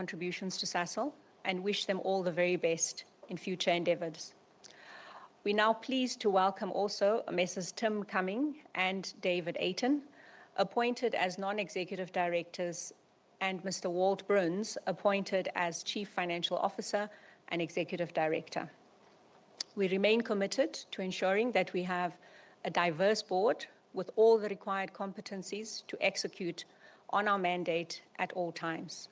Contributions to Sasol, and wish them all the very best in future endeavors. We're now pleased to welcome also Mr. Tim Cumming and David Eyton, appointed as Non-executive Directors, and Mr. Walt Bruns, appointed as Chief Financial Officer and Executive Director. We remain committed to ensuring that we have a diverse board with all the required competencies to execute on our mandate at all times.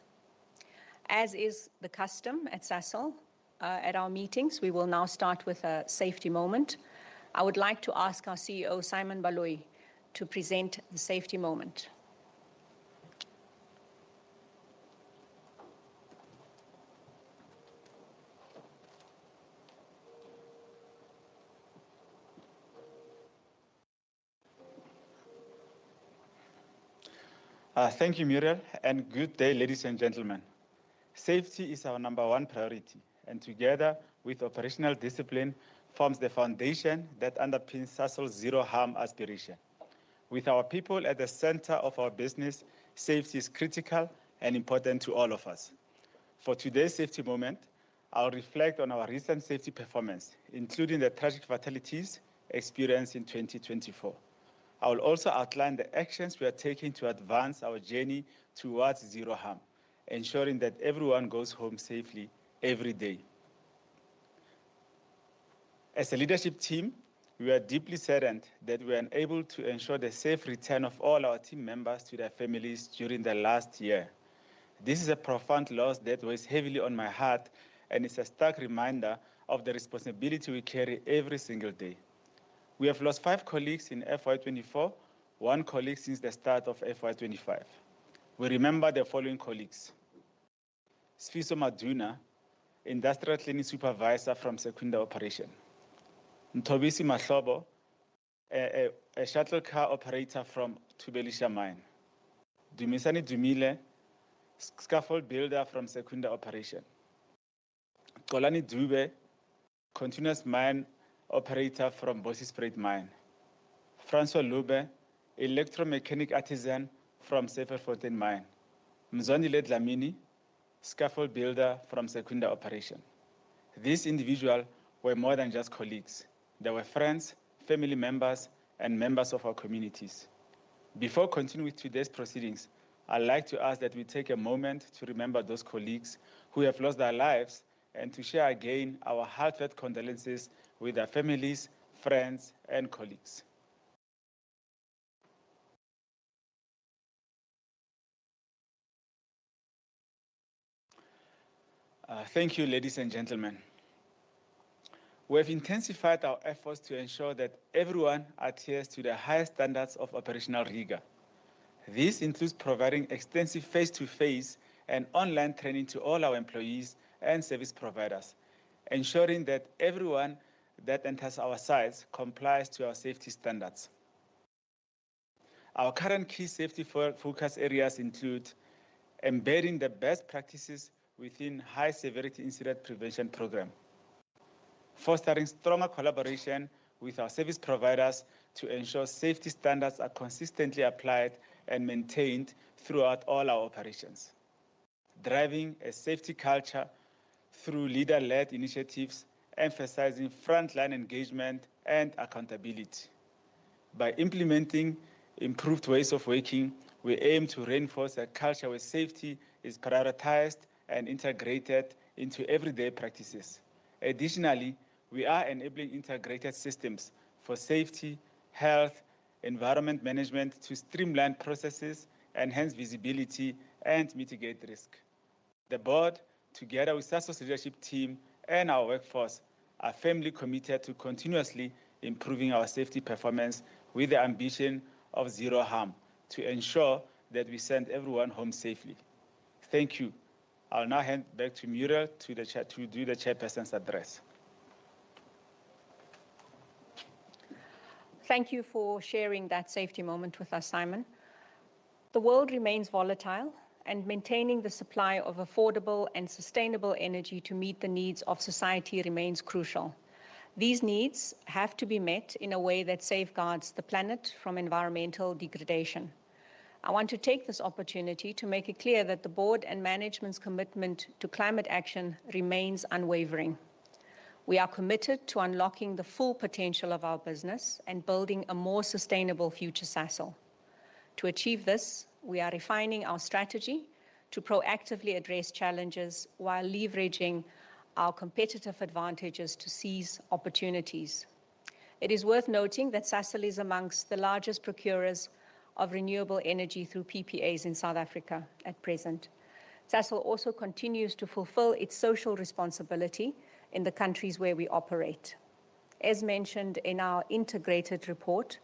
As is the custom at Sasol, at our meetings, we will now start with a safety moment. I would like to ask our CEO, Simon Baloyi, to present the safety moment. Thank you, Muriel, and good day, ladies and gentlemen. Safety is our number one priority, and together with operational discipline forms the foundation that underpins Sasol's Zero Harm aspiration. With our people at the center of our business, safety is critical and important to all of us. For today's safety moment, I'll reflect on our recent safety performance, including the tragic fatalities experienced in 2024. I will also outline the actions we are taking to advance our journey towards Zero Harm, ensuring that everyone goes home safely every day. As a leadership team, we are deeply saddened that we were unable to ensure the safe return of all our team members to their families during the last year. This is a profound loss that weighs heavily on my heart, and it's a stark reminder of the responsibility we carry every single day. We have lost five colleagues in FY2024, one colleague since the start of FY2025. We remember the following colleagues: Sfiso Maduna, industrial cleaning supervisor from Secunda Operation. Mthobisi Mahlobo, a shuttle car operator from Thubelisha Mine. Dumisani Dumile, scaffold builder from Secunda Operation. Xolani Dube, continuous mine operator from Bosjesspruit Mine. Francois Lubbe, electromechanic artisan from Syferfontein Mine. Mzwandile Dlamini, scaffold builder from Secunda Operation. These individuals were more than just colleagues. They were friends, family members, and members of our communities. Before continuing with today's proceedings, I'd like to ask that we take a moment to remember those colleagues who have lost their lives and to share again our heartfelt condolences with their families, friends, and colleagues. Thank you, ladies and gentlemen. We have intensified our efforts to ensure that everyone adheres to the highest standards of operational rigor. This includes providing extensive face-to-face and online training to all our employees and service providers, ensuring that everyone that enters our sites complies with our safety standards. Our current key safety focus areas include embedding the best practices within the High Severity Incident Prevention Program, fostering stronger collaboration with our service providers to ensure safety standards are consistently applied and maintained throughout all our operations, driving a safety culture through leader-led initiatives, emphasizing frontline engagement and accountability. By implementing improved ways of working, we aim to reinforce a culture where safety is prioritized and integrated into everyday practices. Additionally, we are enabling integrated systems for safety, health, and environment management to streamline processes, enhance visibility, and mitigate risk. The board, together with the Sasol leadership team and our workforce, are firmly committed to continuously improving our safety performance with the ambition of Zero Harm to ensure that we send everyone home safely. Thank you. I'll now hand back to Muriel to do the chairperson's address. Thank you for sharing that safety moment with us, Simon. The world remains volatile, and maintaining the supply of affordable and sustainable energy to meet the needs of society remains crucial. These needs have to be met in a way that safeguards the planet from environmental degradation. I want to take this opportunity to make it clear that the board and management's commitment to climate action remains unwavering. We are committed to unlocking the full potential of our business and building a more sustainable future, Sasol. To achieve this, we are refining our strategy to proactively address challenges while leveraging our competitive advantages to seize opportunities. It is worth noting that Sasol is among the largest procurers of renewable energy through PPAs in South Africa at present. Sasol also continues to fulfill its social responsibility in the countries where we operate. As mentioned in our Integrated Report,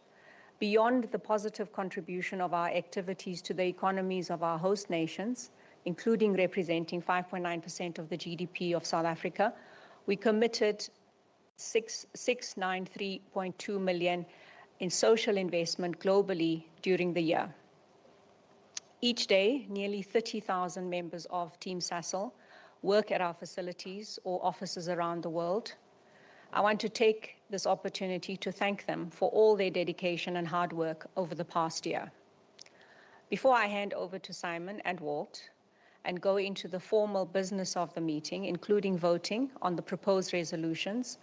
beyond the positive contribution of our activities to the economies of our host nations, including representing 5.9% of the GDP of South Africa, we committed 693.2 million in social investment globally during the year. Each day, nearly 30,000 members of Team Sasol work at our facilities or offices around the world. I want to take this opportunity to thank them for all their dedication and hard work over the past year. Before I hand over to Simon and Walt and go into the formal business of the meeting, including voting on the proposed resolutions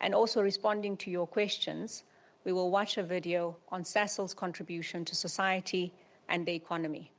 and also responding to your questions, we will watch a video on Sasol's contribution to society and the economy.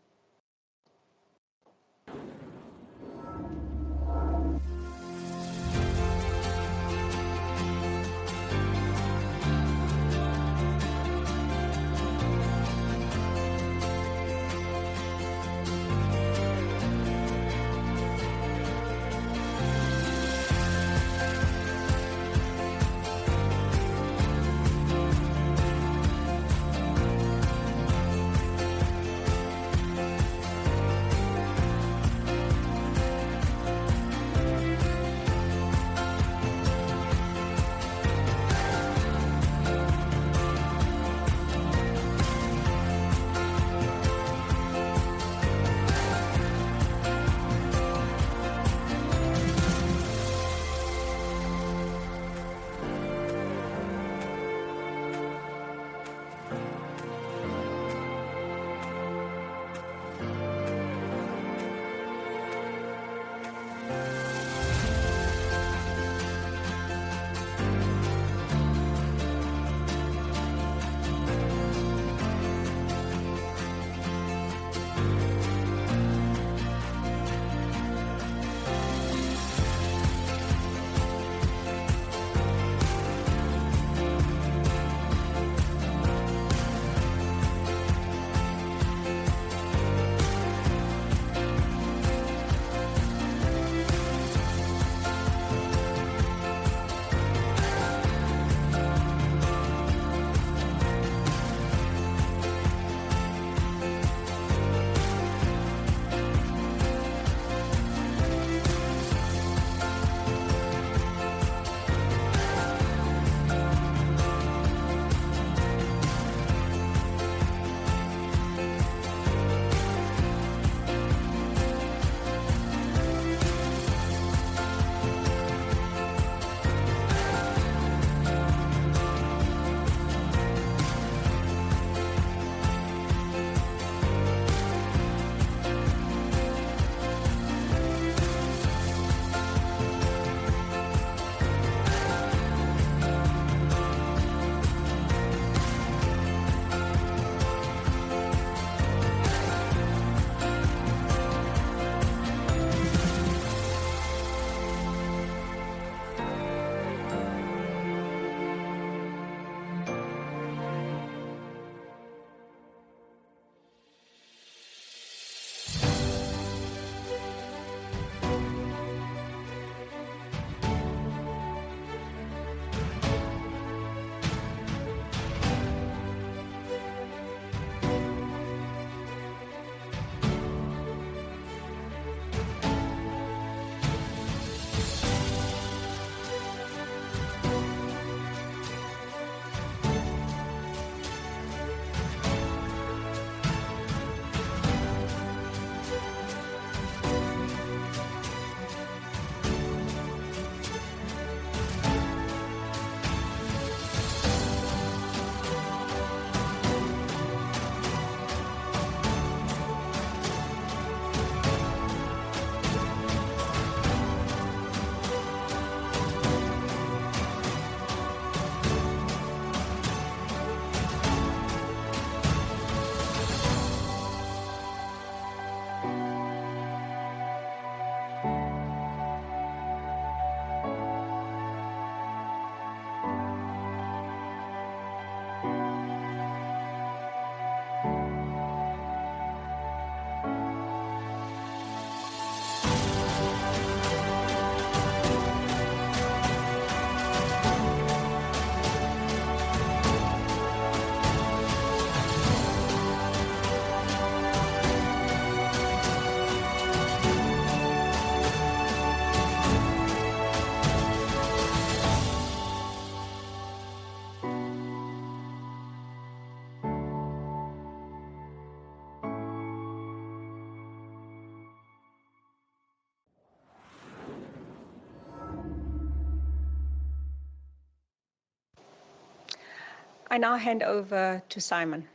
I now hand over to Simon.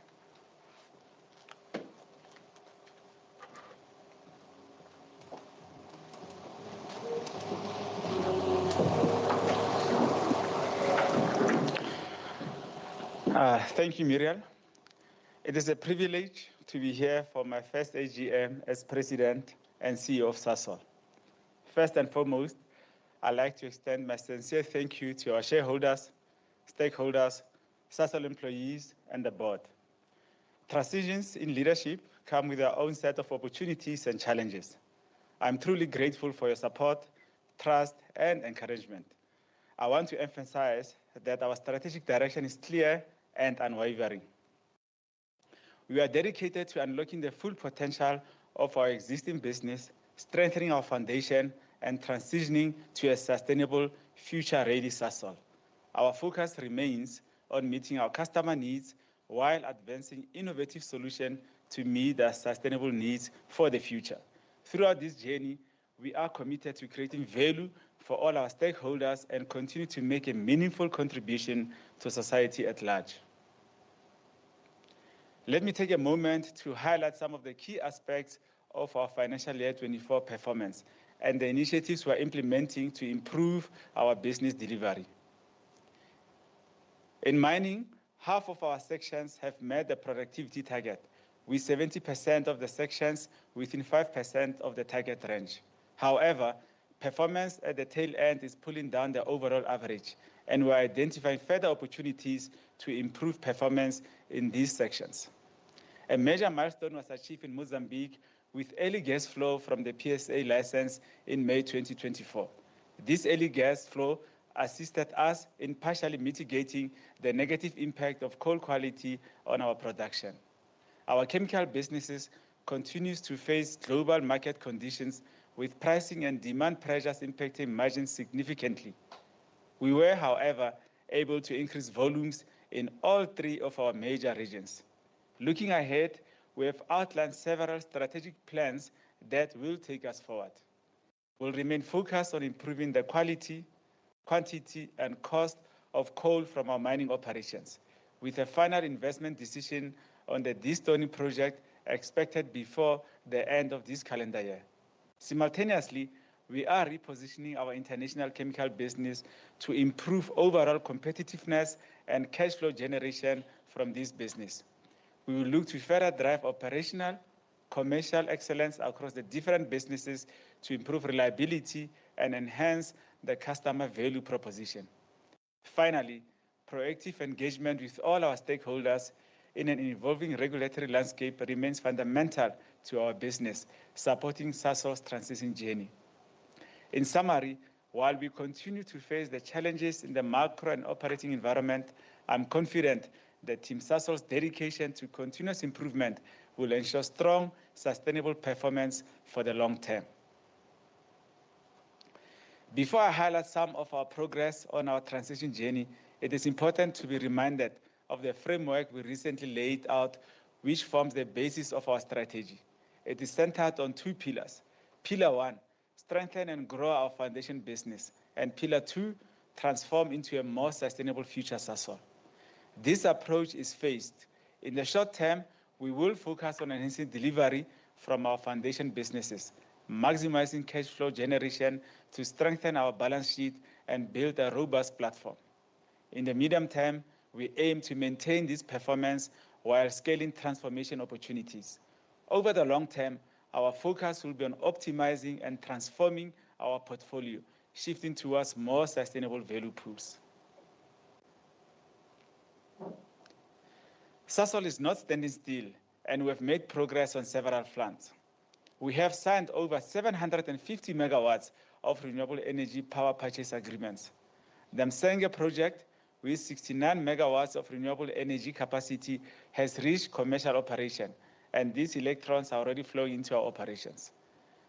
Thank you, Muriel. It is a privilege to be here for my first AGM as President and CEO of Sasol. First and foremost, I'd like to extend my sincere thank you to our shareholders, stakeholders, Sasol employees, and the board. Transitions in leadership come with their own set of opportunities and challenges. I'm truly grateful for your support, trust, and encouragement. I want to emphasize that our strategic direction is clear and unwavering. We are dedicated to unlocking the full potential of our existing business, strengthening our foundation, and transitioning to a sustainable, future-ready Sasol. Our focus remains on meeting our customer needs while advancing innovative solutions to meet their sustainable needs for the future. Throughout this journey, we are committed to creating value for all our stakeholders and continue to make a meaningful contribution to society at large. Let me take a moment to highlight some of the key aspects of our financial year 2024 performance and the initiatives we are implementing to improve our business delivery. In mining, half of our sections have met the productivity target, with 70% of the sections within 5% of the target range. However, performance at the tail end is pulling down the overall average, and we are identifying further opportunities to improve performance in these sections. A major milestone was achieved in Mozambique with early gas flow from the PSA license in May 2024. This early gas flow assisted us in partially mitigating the negative impact of coal quality on our production. Our chemical businesses continue to face global market conditions, with pricing and demand pressures impacting margins significantly. We were, however, able to increase volumes in all three of our major regions. Looking ahead, we have outlined several strategic plans that will take us forward. We'll remain focused on improving the quality, quantity, and cost of coal from our mining operations, with a final investment decision on the Destoning Project expected before the end of this calendar year. Simultaneously, we are repositioning our international chemical business to improve overall competitiveness and cash flow generation from this business. We will look to further drive operational and commercial excellence across the different businesses to improve reliability and enhance the customer value proposition. Finally, proactive engagement with all our stakeholders in an evolving regulatory landscape remains fundamental to our business, supporting Sasol's transition journey. In summary, while we continue to face the challenges in the macro and operating environment, I'm confident that Team Sasol's dedication to continuous improvement will ensure strong, sustainable performance for the long term. Before I highlight some of our progress on our transition journey, it is important to be reminded of the framework we recently laid out, which forms the basis of our strategy. It is centered on two pillars. Pillar One: strengthen and grow our foundation business, and Pillar Two: transform into a more sustainable future Sasol. This approach is phased. In the short term, we will focus on enhancing delivery from our foundation businesses, maximizing cash flow generation to strengthen our balance sheet and build a robust platform. In the medium term, we aim to maintain this performance while scaling transformation opportunities. Over the long term, our focus will be on optimizing and transforming our portfolio, shifting towards more sustainable value pools. Sasol is not standing still, and we have made progress on several fronts. We have signed over 750 MW of renewable energy power purchase agreements. The Msenge project, with 69 MW of renewable energy capacity, has reached commercial operation, and these electrons are already flowing into our operations.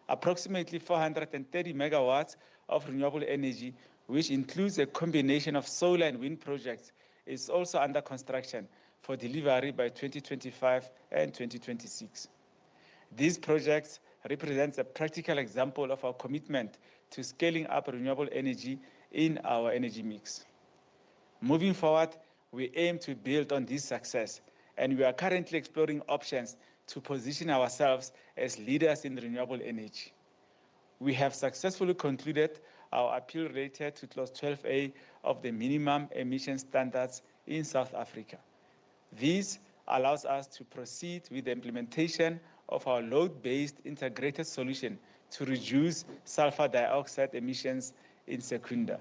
Approximately 430 MW of renewable energy, which includes a combination of solar and wind projects, is also under construction for delivery by 2025 and 2026. These projects represent a practical example of our commitment to scaling up renewable energy in our energy mix. Moving forward, we aim to build on this success, and we are currently exploring options to position ourselves as leaders in renewable energy. We have successfully concluded our appeal related to Clause 12A of the Minimum Emission Standards in South Africa. This allows us to proceed with the implementation of our load-based integrated solution to reduce sulfur dioxide emissions in Secunda.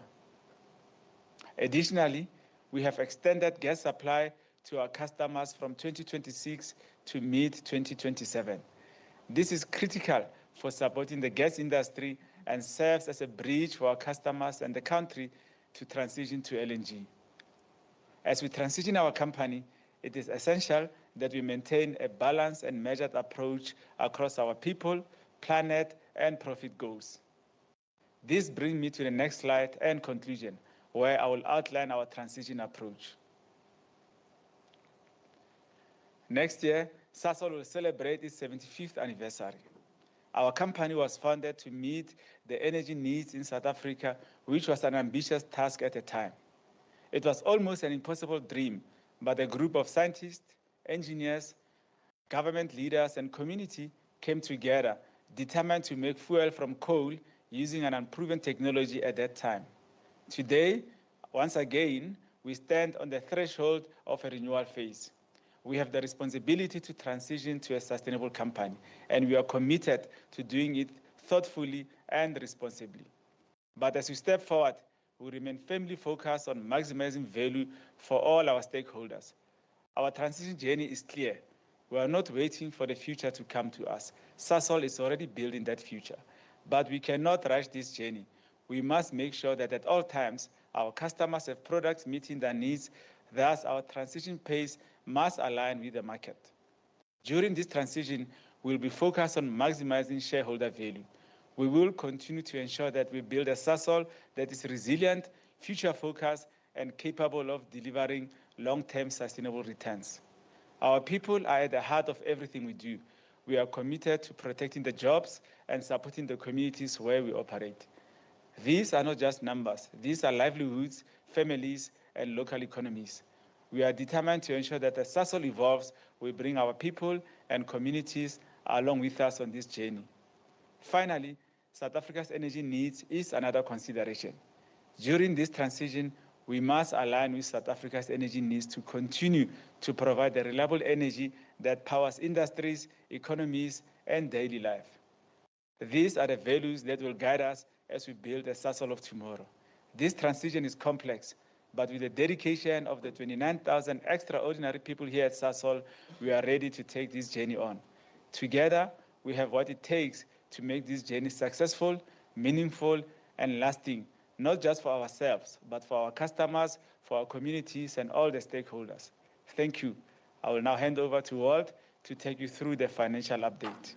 Additionally, we have extended gas supply to our customers from 2026 to mid-2027. This is critical for supporting the gas industry and serves as a bridge for our customers and the country to transition to LNG. As we transition our company, it is essential that we maintain a balanced and measured approach across our people, planet, and profit goals. This brings me to the next slide and conclusion, where I will outline our transition approach. Next year, Sasol will celebrate its 75th anniversary. Our company was founded to meet the energy needs in South Africa, which was an ambitious task at the time. It was almost an impossible dream, but a group of scientists, engineers, government leaders, and community came together, determined to make fuel from coal using an unproven technology at that time. Today, once again, we stand on the threshold of a renewal phase. We have the responsibility to transition to a sustainable company, and we are committed to doing it thoughtfully and responsibly. But as we step forward, we remain firmly focused on maximizing value for all our stakeholders. Our transition journey is clear. We are not waiting for the future to come to us. Sasol is already building that future, but we cannot rush this journey. We must make sure that at all times, our customers have products meeting their needs. Thus, our transition pace must align with the market. During this transition, we will be focused on maximizing shareholder value. We will continue to ensure that we build a Sasol that is resilient, future-focused, and capable of delivering long-term sustainable returns. Our people are at the heart of everything we do. We are committed to protecting the jobs and supporting the communities where we operate. These are not just numbers. These are livelihoods, families, and local economies. We are determined to ensure that as Sasol evolves, we bring our people and communities along with us on this journey. Finally, South Africa's energy needs is another consideration. During this transition, we must align with South Africa's energy needs to continue to provide the reliable energy that powers industries, economies, and daily life. These are the values that will guide us as we build the Sasol of tomorrow. This transition is complex, but with the dedication of the 29,000 extraordinary people here at Sasol, we are ready to take this journey on. Together, we have what it takes to make this journey successful, meaningful, and lasting, not just for ourselves, but for our customers, for our communities, and all the stakeholders. Thank you. I will now hand over to Walt to take you through the financial update.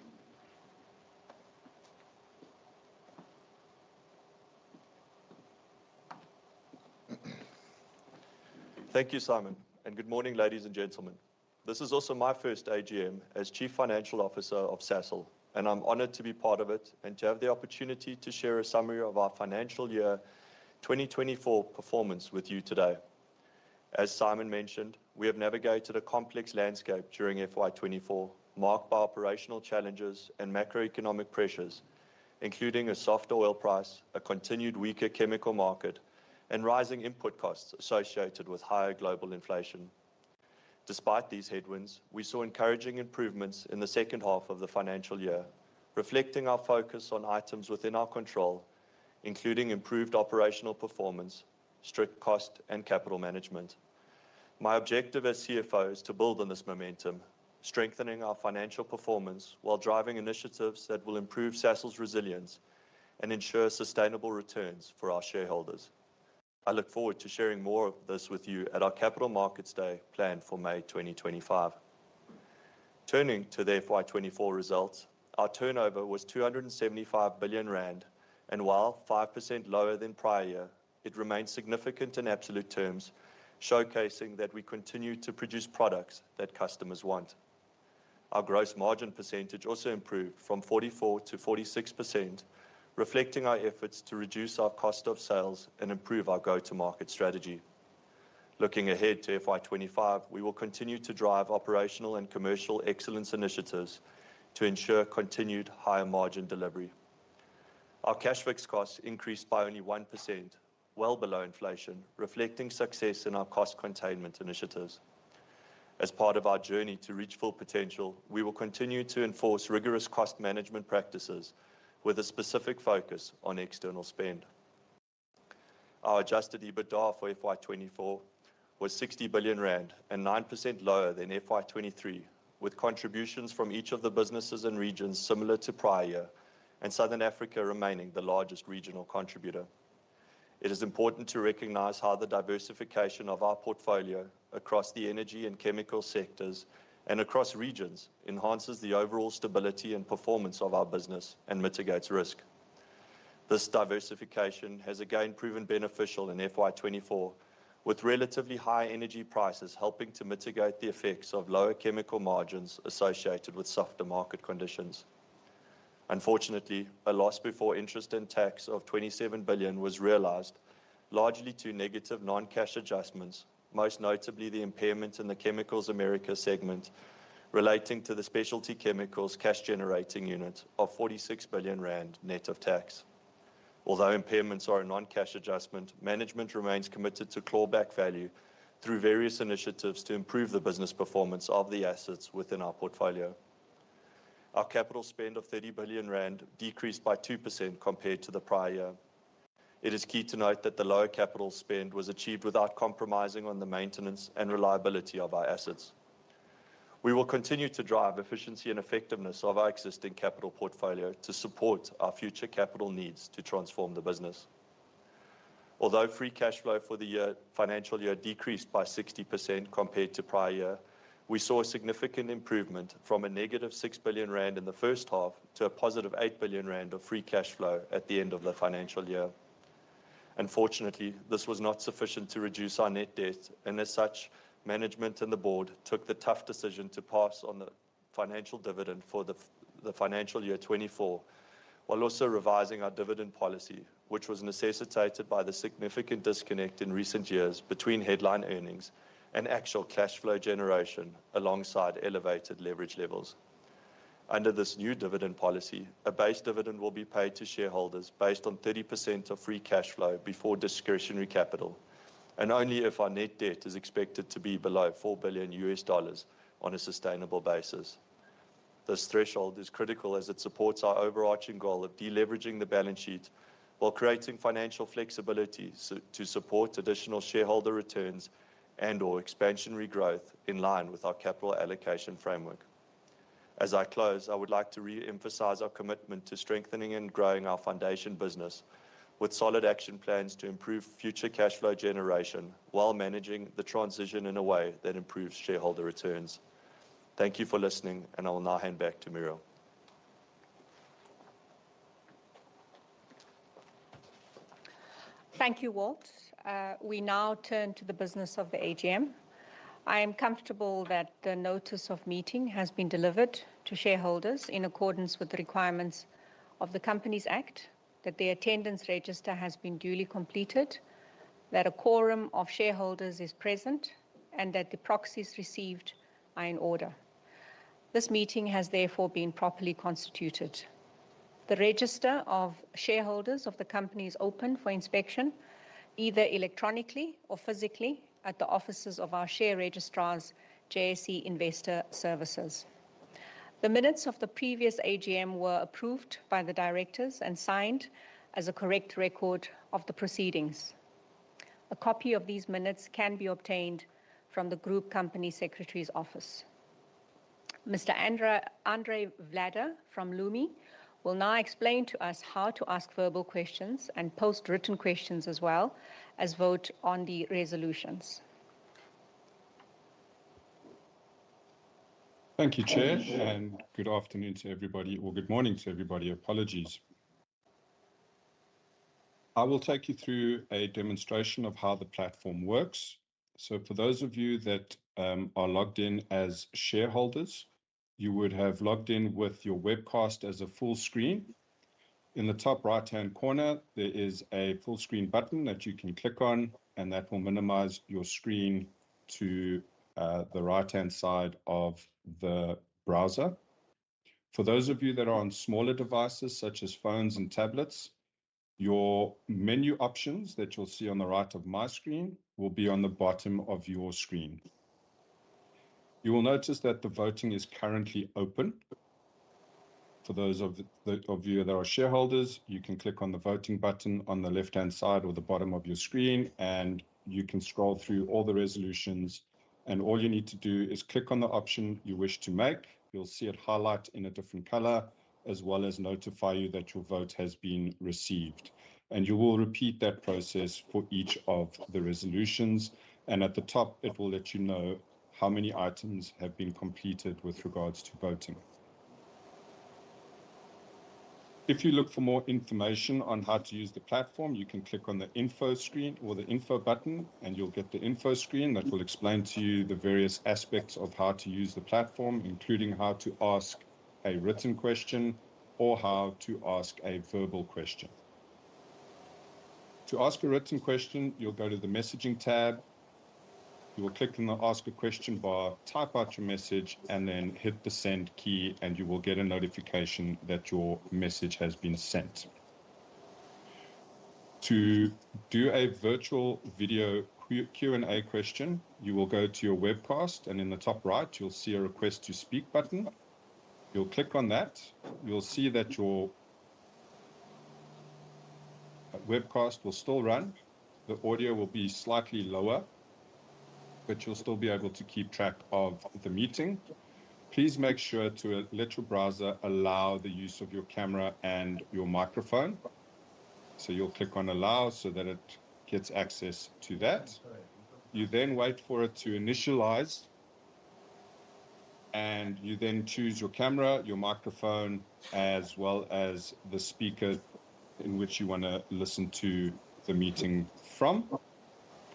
Thank you, Simon, and good morning, ladies and gentlemen. This is also my first AGM as Chief Financial Officer of Sasol, and I'm honored to be part of it and to have the opportunity to share a summary of our financial year 2024 performance with you today. As Simon mentioned, we have navigated a complex landscape during FY2024, marked by operational challenges and macroeconomic pressures, including a soft oil price, a continued weaker chemical market, and rising input costs associated with higher global inflation. Despite these headwinds, we saw encouraging improvements in the second half of the financial year, reflecting our focus on items within our control, including improved operational performance, strict cost, and capital management. My objective as CFO is to build on this momentum, strengthening our financial performance while driving initiatives that will improve Sasol's resilience and ensure sustainable returns for our shareholders. I look forward to sharing more of this with you at our Capital Markets Day planned for May 2025. Turning to the FY2024 results, our turnover was 275 billion rand, and while 5% lower than prior year, it remained significant in absolute terms, showcasing that we continue to produce products that customers want. Our gross margin percentage also improved from 44%-46%, reflecting our efforts to reduce our cost of sales and improve our go-to-market strategy. Looking ahead to FY2025, we will continue to drive operational and commercial excellence initiatives to ensure continued higher margin delivery. Our cash fixed costs increased by only 1%, well below inflation, reflecting success in our cost containment initiatives. As part of our journey to reach full potential, we will continue to enforce rigorous cost management practices with a specific focus on external spend. Our adjusted EBITDA for FY2024 was 60 billion rand and 9% lower than FY2023, with contributions from each of the businesses and regions similar to prior year, and Southern Africa remaining the largest regional contributor. It is important to recognize how the diversification of our portfolio across the energy and chemical sectors and across regions enhances the overall stability and performance of our business and mitigates risk. This diversification has again proven beneficial in FY2024, with relatively high energy prices helping to mitigate the effects of lower chemical margins associated with softer market conditions. Unfortunately, a loss before interest and tax of 27 billion was realized, largely due to negative non-cash adjustments, most notably the impairment in the Chemicals America segment relating to the Specialty Chemicals cash-generating unit of 46 billion rand net of tax. Although impairments are a non-cash adjustment, management remains committed to clawback value through various initiatives to improve the business performance of the assets within our portfolio. Our capital spend of 30 billion rand decreased by 2% compared to the prior year. It is key to note that the lower capital spend was achieved without compromising on the maintenance and reliability of our assets. We will continue to drive efficiency and effectiveness of our existing capital portfolio to support our future capital needs to transform the business. Although free cash flow for the financial year decreased by 60% compared to prior year, we saw a significant improvement from 6 billion rand in the first half to 8 billion rand of free cash flow at the end of the financial year. Unfortunately, this was not sufficient to reduce our net debt, and as such, management and the board took the tough decision to pass on the financial dividend for the financial year 2024 while also revising our dividend policy, which was necessitated by the significant disconnect in recent years between headline earnings and actual cash flow generation alongside elevated leverage levels. Under this new dividend policy, a base dividend will be paid to shareholders based on 30% of free cash flow before discretionary capital, and only if our net debt is expected to be below $4 billion on a sustainable basis. This threshold is critical as it supports our overarching goal of deleveraging the balance sheet while creating financial flexibility to support additional shareholder returns and/or expansionary growth in line with our capital allocation framework. As I close, I would like to re-emphasize our commitment to strengthening and growing our foundation business with solid action plans to improve future cash flow generation while managing the transition in a way that improves shareholder returns. Thank you for listening, and I will now hand back to Muriel. Thank you, Walt. We now turn to the business of the AGM. I am comfortable that the notice of meeting has been delivered to shareholders in accordance with the requirements of the Companies Act, that the attendance register has been duly completed, that a quorum of shareholders is present, and that the proxies received are in order. This meeting has therefore been properly constituted. The register of shareholders of the company is open for inspection either electronically or physically at the offices of our share registrars, JSE Investor Services. The minutes of the previous AGM were approved by the directors and signed as a correct record of the proceedings. A copy of these minutes can be obtained from the Group Company Secretary's office. Mr. Andrej Vladar from Lumi will now explain to us how to ask verbal questions and post written questions as well as vote on the resolutions. Thank you, Chair, and good afternoon to everybody, or good morning to everybody. Apologies. I will take you through a demonstration of how the platform works. So, for those of you that are logged in as shareholders, you would have logged in with your webcast as a full screen. In the top right-hand corner, there is a full-screen button that you can click on, and that will minimize your screen to the right-hand side of the browser. For those of you that are on smaller devices, such as phones and tablets, your menu options that you'll see on the right of my screen will be on the bottom of your screen. You will notice that the voting is currently open. For those of you that are shareholders, you can click on the voting button on the left-hand side or the bottom of your screen, and you can scroll through all the resolutions. And all you need to do is click on the option you wish to make. You'll see it highlight in a different color, as well as notify you that your vote has been received. And you will repeat that process for each of the resolutions. And at the top, it will let you know how many items have been completed with regards to voting. If you look for more information on how to use the platform, you can click on the info screen or the info button, and you'll get the info screen that will explain to you the various aspects of how to use the platform, including how to ask a written question or how to ask a verbal question. To ask a written question, you'll go to the messaging tab. You will click on the ask a question bar, type out your message, and then hit the send key, and you will get a notification that your message has been sent. To do a virtual video Q&A question, you will go to your webcast, and in the top right, you'll see a request to speak button. You'll click on that. You'll see that your webcast will still run. The audio will be slightly lower, but you'll still be able to keep track of the meeting. Please make sure to let your browser allow the use of your camera and your microphone, so you'll click on allow so that it gets access to that. You then wait for it to initialize, and you then choose your camera, your microphone, as well as the speaker in which you want to listen to the meeting from.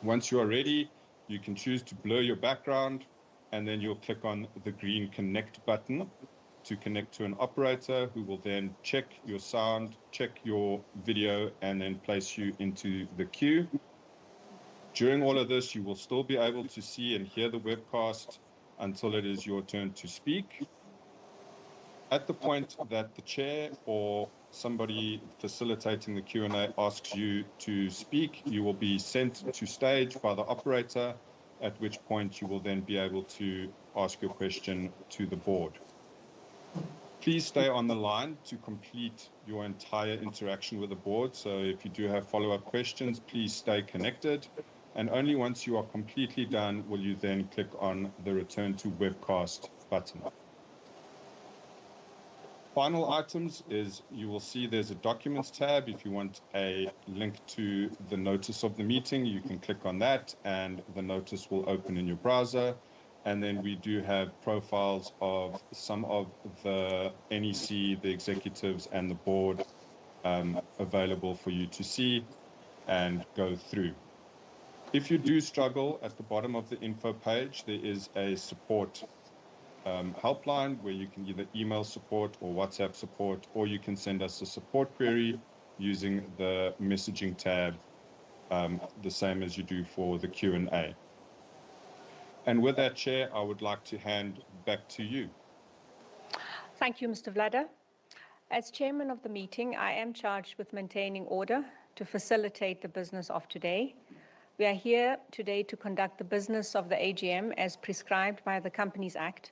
Once you are ready, you can choose to blur your background, and then you'll click on the green connect button to connect to an operator who will then check your sound, check your video, and then place you into the queue. During all of this, you will still be able to see and hear the webcast until it is your turn to speak. At the point that the chair or somebody facilitating the Q&A asks you to speak, you will be sent to stage by the operator, at which point you will then be able to ask your question to the board. Please stay on the line to complete your entire interaction with the board. So, if you do have follow-up questions, please stay connected. And only once you are completely done will you then click on the return to webcast button. Final items is you will see there's a documents tab. If you want a link to the notice of the meeting, you can click on that, and the notice will open in your browser. And then we do have profiles of some of the non-execs, the executives, and the board available for you to see and go through. If you do struggle, at the bottom of the info page, there is a support helpline where you can either email support or WhatsApp support, or you can send us a support query using the messaging tab, the same as you do for the Q&A. And with that, Chair, I would like to hand back to you. Thank you, Mr. Vladar. As Chairman of the meeting, I am charged with maintaining order to facilitate the business of today. We are here today to conduct the business of the AGM as prescribed by the Companies Act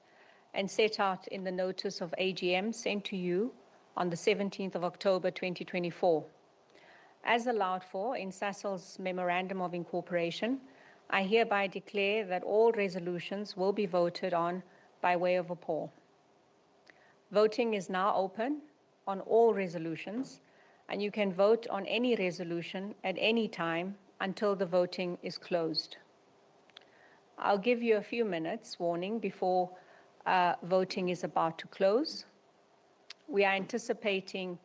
and set out in the notice of AGM sent to you on the 17th of October 2024. As allowed for in Sasol's memorandum of incorporation, I hereby declare that all resolutions will be voted on by way of a poll. Voting is now open on all resolutions, and you can vote on any resolution at any time until the voting is closed. I'll give you a few minutes' warning before voting is about to close. We are anticipating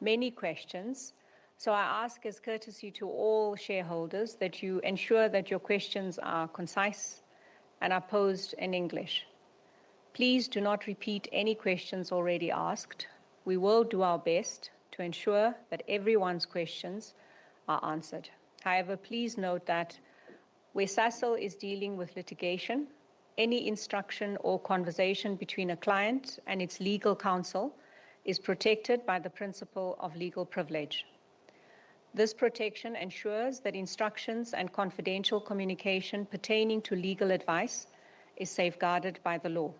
many questions, so I ask as courtesy to all shareholders that you ensure that your questions are concise and are posed in English. Please do not repeat any questions already asked. We will do our best to ensure that everyone's questions are answered. However, please note that where Sasol is dealing with litigation, any instruction or conversation between a client and its legal counsel is protected by the principle of legal privilege. This protection ensures that instructions and confidential communication pertaining to legal advice is safeguarded by the law.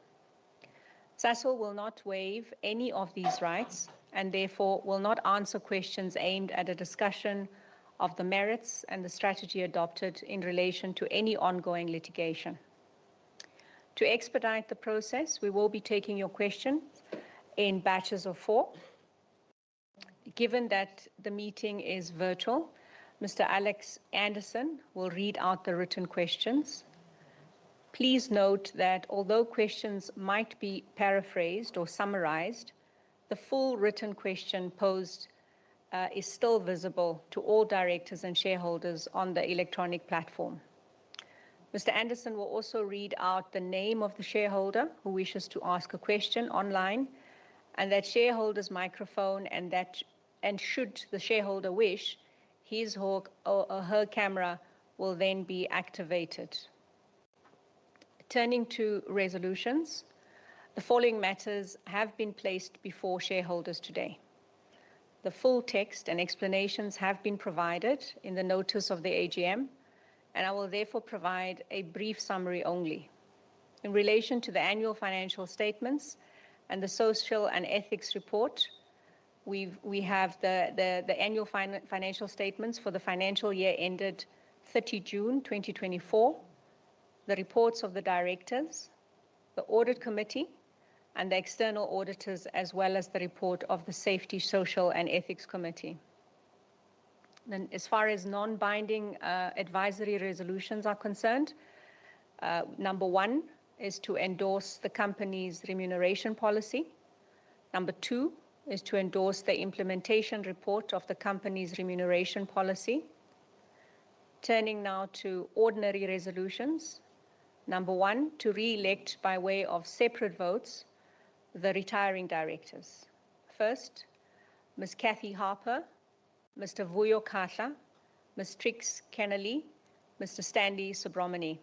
Sasol will not waive any of these rights and therefore will not answer questions aimed at a discussion of the merits and the strategy adopted in relation to any ongoing litigation. To expedite the process, we will be taking your questions in batches of four. Given that the meeting is virtual, Mr. Alex Anderson will read out the written questions. Please note that although questions might be paraphrased or summarised, the full written question posed is still visible to all directors and shareholders on the electronic platform. Mr. Anderson will also read out the name of the shareholder who wishes to ask a question online and that shareholder's microphone, and should the shareholder wish, his or her camera will then be activated. Turning to resolutions, the following matters have been placed before shareholders today. The full text and explanations have been provided in the notice of the AGM, and I will therefore provide a brief summary only. In relation to the annual financial statements and the social and ethics report, we have the annual financial statements for the financial year ended 30 June 2024, the reports of the directors, the Audit Committee, and the external auditors, as well as the report of the Safety, Social, and Ethics Committee, and as far as non-binding advisory resolutions are concerned, number one is to endorse the company's remuneration policy. Number two is to endorse the implementation report of the company's remuneration policy. Turning now to ordinary resolutions, number one to re-elect by way of separate votes the retiring directors. First, Ms. Kathy Harper, Mr. Vuyo Kahla, Ms. Trix Kennealy, Mr. Stanley Subramoney.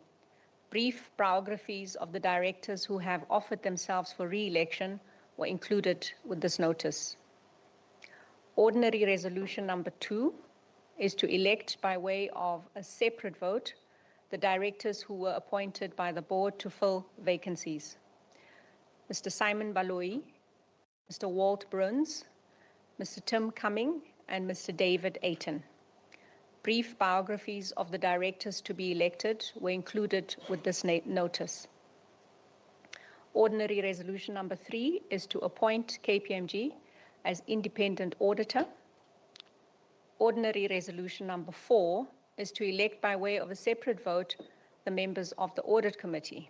Brief biographies of the directors who have offered themselves for re-election were included with this notice. Ordinary resolution number two is to elect by way of a separate vote the directors who were appointed by the board to fill vacancies: Mr. Simon Baloyi, Mr. Walt Bruns, Mr. Tim Cumming, and Mr. David Eyton. Brief biographies of the directors to be elected were included with this notice. Ordinary resolution number three is to appoint KPMG as independent auditor. Ordinary resolution number four is to elect by way of a separate vote the members of the audit committee.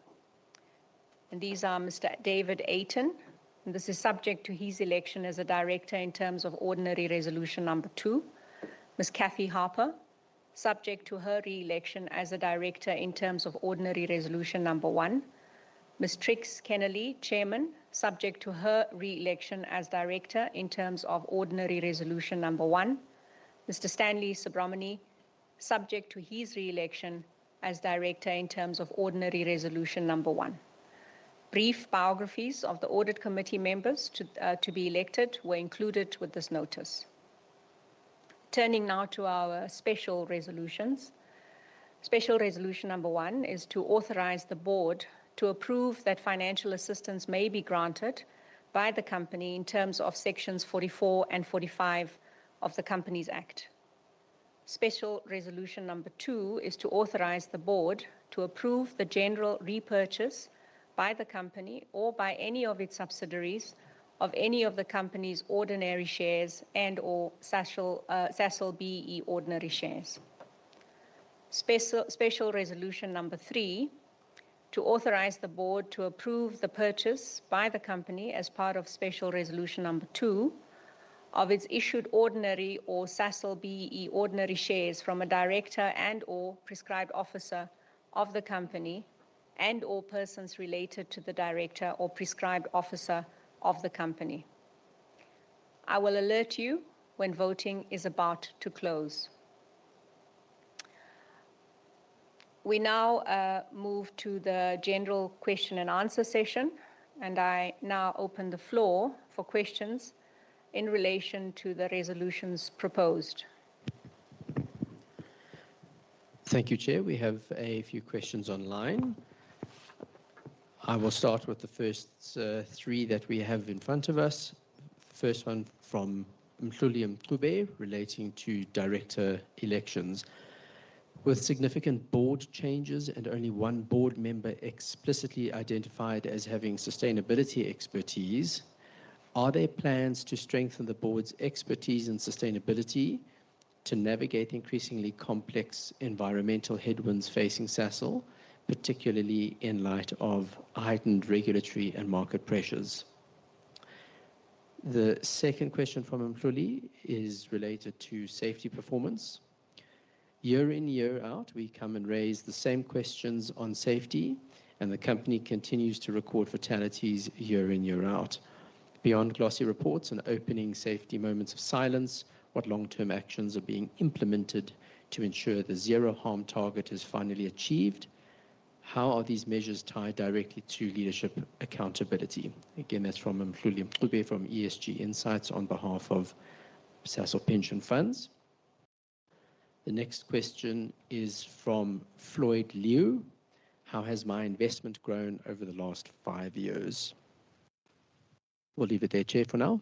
And these are Mr. David Eyton, and this is subject to his election as a director in terms of ordinary resolution number two. Ms. Kathy Harper, subject to her re-election as a director in terms of ordinary resolution number one. Ms. Trix Kennealy, Chairman, subject to her re-election as director in terms of ordinary resolution number one. Mr. Stanley Subramoney, subject to his re-election as director in terms of ordinary resolution number one. Brief biographies of the audit committee members to be elected were included with this notice. Turning now to our special resolutions. Special resolution number one is to authorize the board to approve that financial assistance may be granted by the company in terms of sections 44 and 45 of the Companies Act. Special resolution number two is to authorize the board to approve the general repurchase by the company or by any of its subsidiaries of any of the company's ordinary shares and/or Sasol BEE ordinary shares. Special resolution number three is to authorize the board to approve the purchase by the company as part of special resolution number two of its issued ordinary or Sasol BEE ordinary shares from a director and/or prescribed officer of the company and/or persons related to the director or prescribed officer of the company. I will alert you when voting is about to close. We now move to the general question and answer session, and I now open the floor for questions in relation to the resolutions proposed. Thank you, Chair. We have a few questions online. I will start with the first three that we have in front of us. First one from Mehluli Mncube relating to director elections. With significant board changes and only one board member explicitly identified as having sustainability expertise, are there plans to strengthen the board's expertise and sustainability to navigate increasingly complex environmental headwinds facing Sasol, particularly in light of heightened regulatory and market pressures? The second question from Mehluli is related to safety performance. Year in, year out, we come and raise the same questions on safety, and the company continues to record fatalities year in, year out. Beyond glossy reports and opening safety moments of silence, what long-term actions are being implemented to ensure the zero harm target is finally achieved? How are these measures tied directly to leadership accountability? Again, that's from Mehluli Mncube from ESG Insights on behalf of Sasol Pension Funds. The next question is from Floyd Liu. How has my investment grown over the last five years? We'll leave it there, Chair, for now.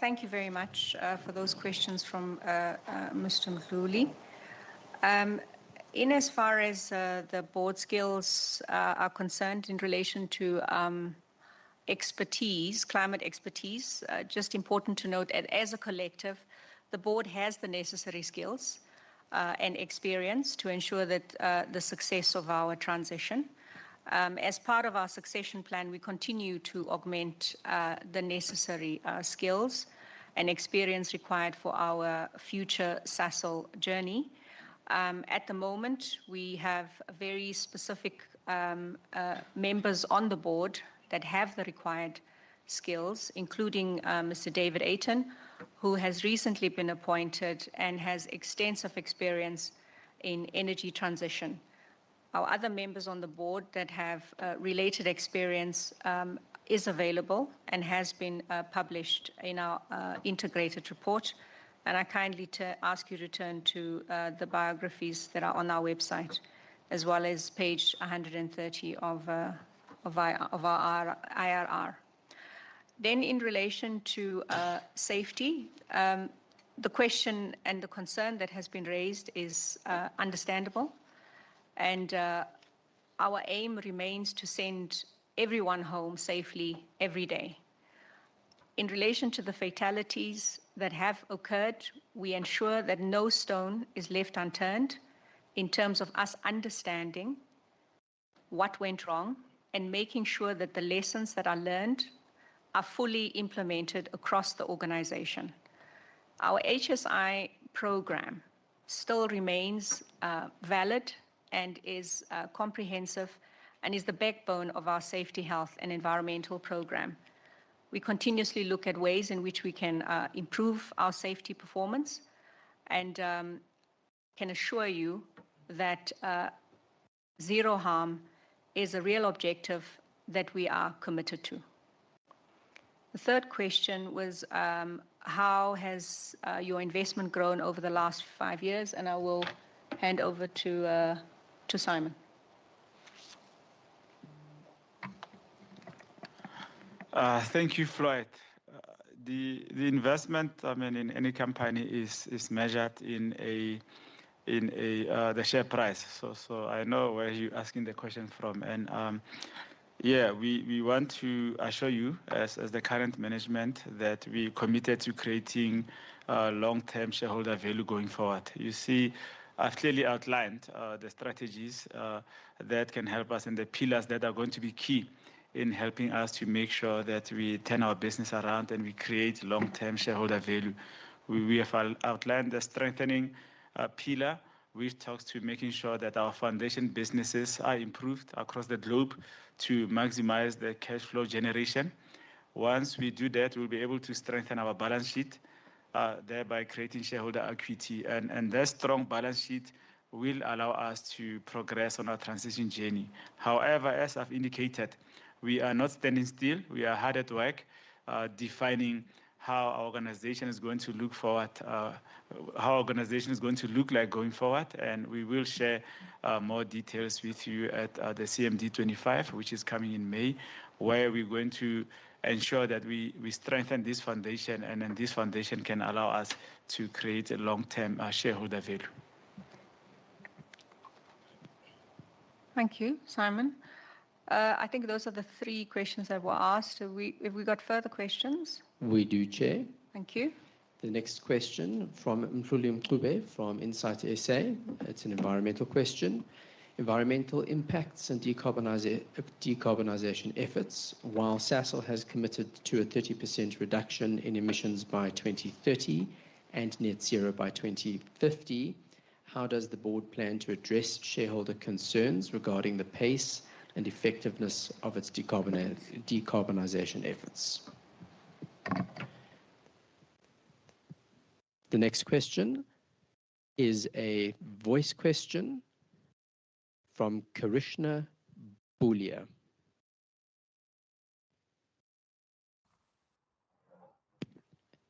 Thank you very much for those questions from Mr. Mehluli. In as far as the board's skills are concerned in relation to expertise, climate expertise, just important to note that as a collective, the board has the necessary skills and experience to ensure the success of our transition. As part of our succession plan, we continue to augment the necessary skills and experience required for our future Sasol journey. At the moment, we have very specific members on the board that have the required skills, including Mr. Dave Eyton, who has recently been appointed and has extensive experience in energy transition. Our other members on the board that have related experience are available and have been published in our integrated report. And I kindly ask you to turn to the biographies that are on our website, as well as page 130 of our IR. Then, in relation to safety, the question and the concern that has been raised is understandable, and our aim remains to send everyone home safely every day. In relation to the fatalities that have occurred, we ensure that no stone is left unturned in terms of us understanding what went wrong and making sure that the lessons that are learned are fully implemented across the organization. Our HSI program still remains valid and is comprehensive and is the backbone of our safety, health, and environmental program. We continuously look at ways in which we can improve our safety performance and can assure you that Zero Harm is a real objective that we are committed to. The third question was, how has your investment grown over the last five years, and I will hand over to Simon. Thank you, Floyd. The investment, I mean, in any company is measured in the share price. So I know where you're asking the question from. And yeah, we want to assure you, as the current management, that we are committed to creating long-term shareholder value going forward. You see, I've clearly outlined the strategies that can help us and the pillars that are going to be key in helping us to make sure that we turn our business around and we create long-term shareholder value. We have outlined the strengthening pillar, which talks to making sure that our foundation businesses are improved across the globe to maximize the cash flow generation. Once we do that, we'll be able to strengthen our balance sheet, thereby creating shareholder equity. And that strong balance sheet will allow us to progress on our transition journey. However, as I've indicated, we are not standing still. We are hard at work defining how our organization is going to look forward, how our organization is going to look like going forward, and we will share more details with you at the CMD 2025, which is coming in May, where we're going to ensure that we strengthen this foundation and this foundation can allow us to create a long-term shareholder value. Thank you, Simon. I think those are the three questions that were asked. Have we got further questions? We do, Chair. Thank you. The next question from Mehluli Mncube from ESG Insights. It's an environmental question. Environmental impacts and decarbonization efforts, while Sasol has committed to a 30% reduction in emissions by 2030 and net zero by 2050, how does the board plan to address shareholder concerns regarding the pace and effectiveness of its decarbonization efforts? The next question is a voice question from Karishma Bhoolia.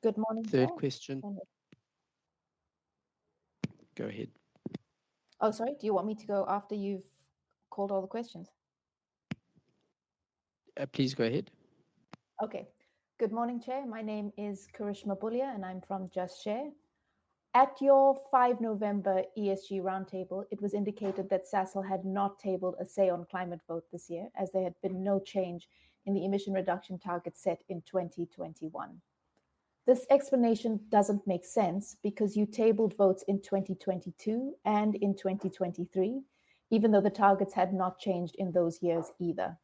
Good morning, Chair. Third question. Go ahead. Oh, sorry. Do you want me to go after you've called all the questions? Please go ahead. Okay. Good morning, Chair. My name is Karishma Bhoolia, and I'm from Just Share. At your 5 November ESG roundtable, it was indicated that Sasol had not tabled a Say on Climate vote this year as there had been no change in the emission reduction target set in 2021. This explanation doesn't make sense because you tabled votes in 2022 and in 2023, even though the targets had not changed in those years either.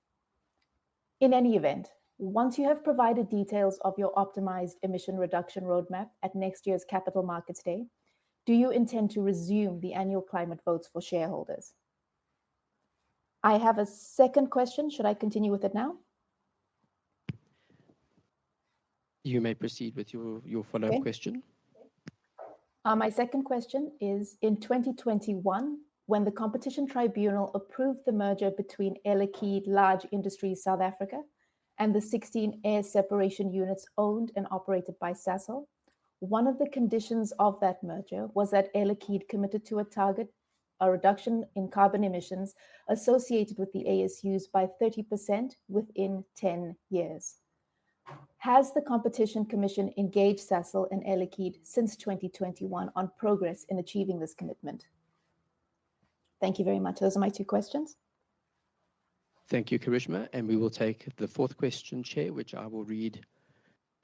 In any event, once you have provided details of your optimized emission reduction roadmap at next year's Capital Markets Day, do you intend to resume the annual climate votes for shareholders? I have a second question. Should I continue with it now? You may proceed with your follow-up question. My second question is, in 2021, when the Competition Tribunal approved the merger between Air Liquide Large Industries South Africa and the 16 Air Separation Units owned and operated by Sasol, one of the conditions of that merger was that Air Liquide committed to a target, a reduction in carbon emissions associated with the ASUs by 30% within 10 years. Has the Competition Commission engaged Sasol and Air Liquide since 2021 on progress in achieving this commitment? Thank you very much. Those are my two questions. Thank you, Karishma. And we will take the fourth question, Chair, which I will read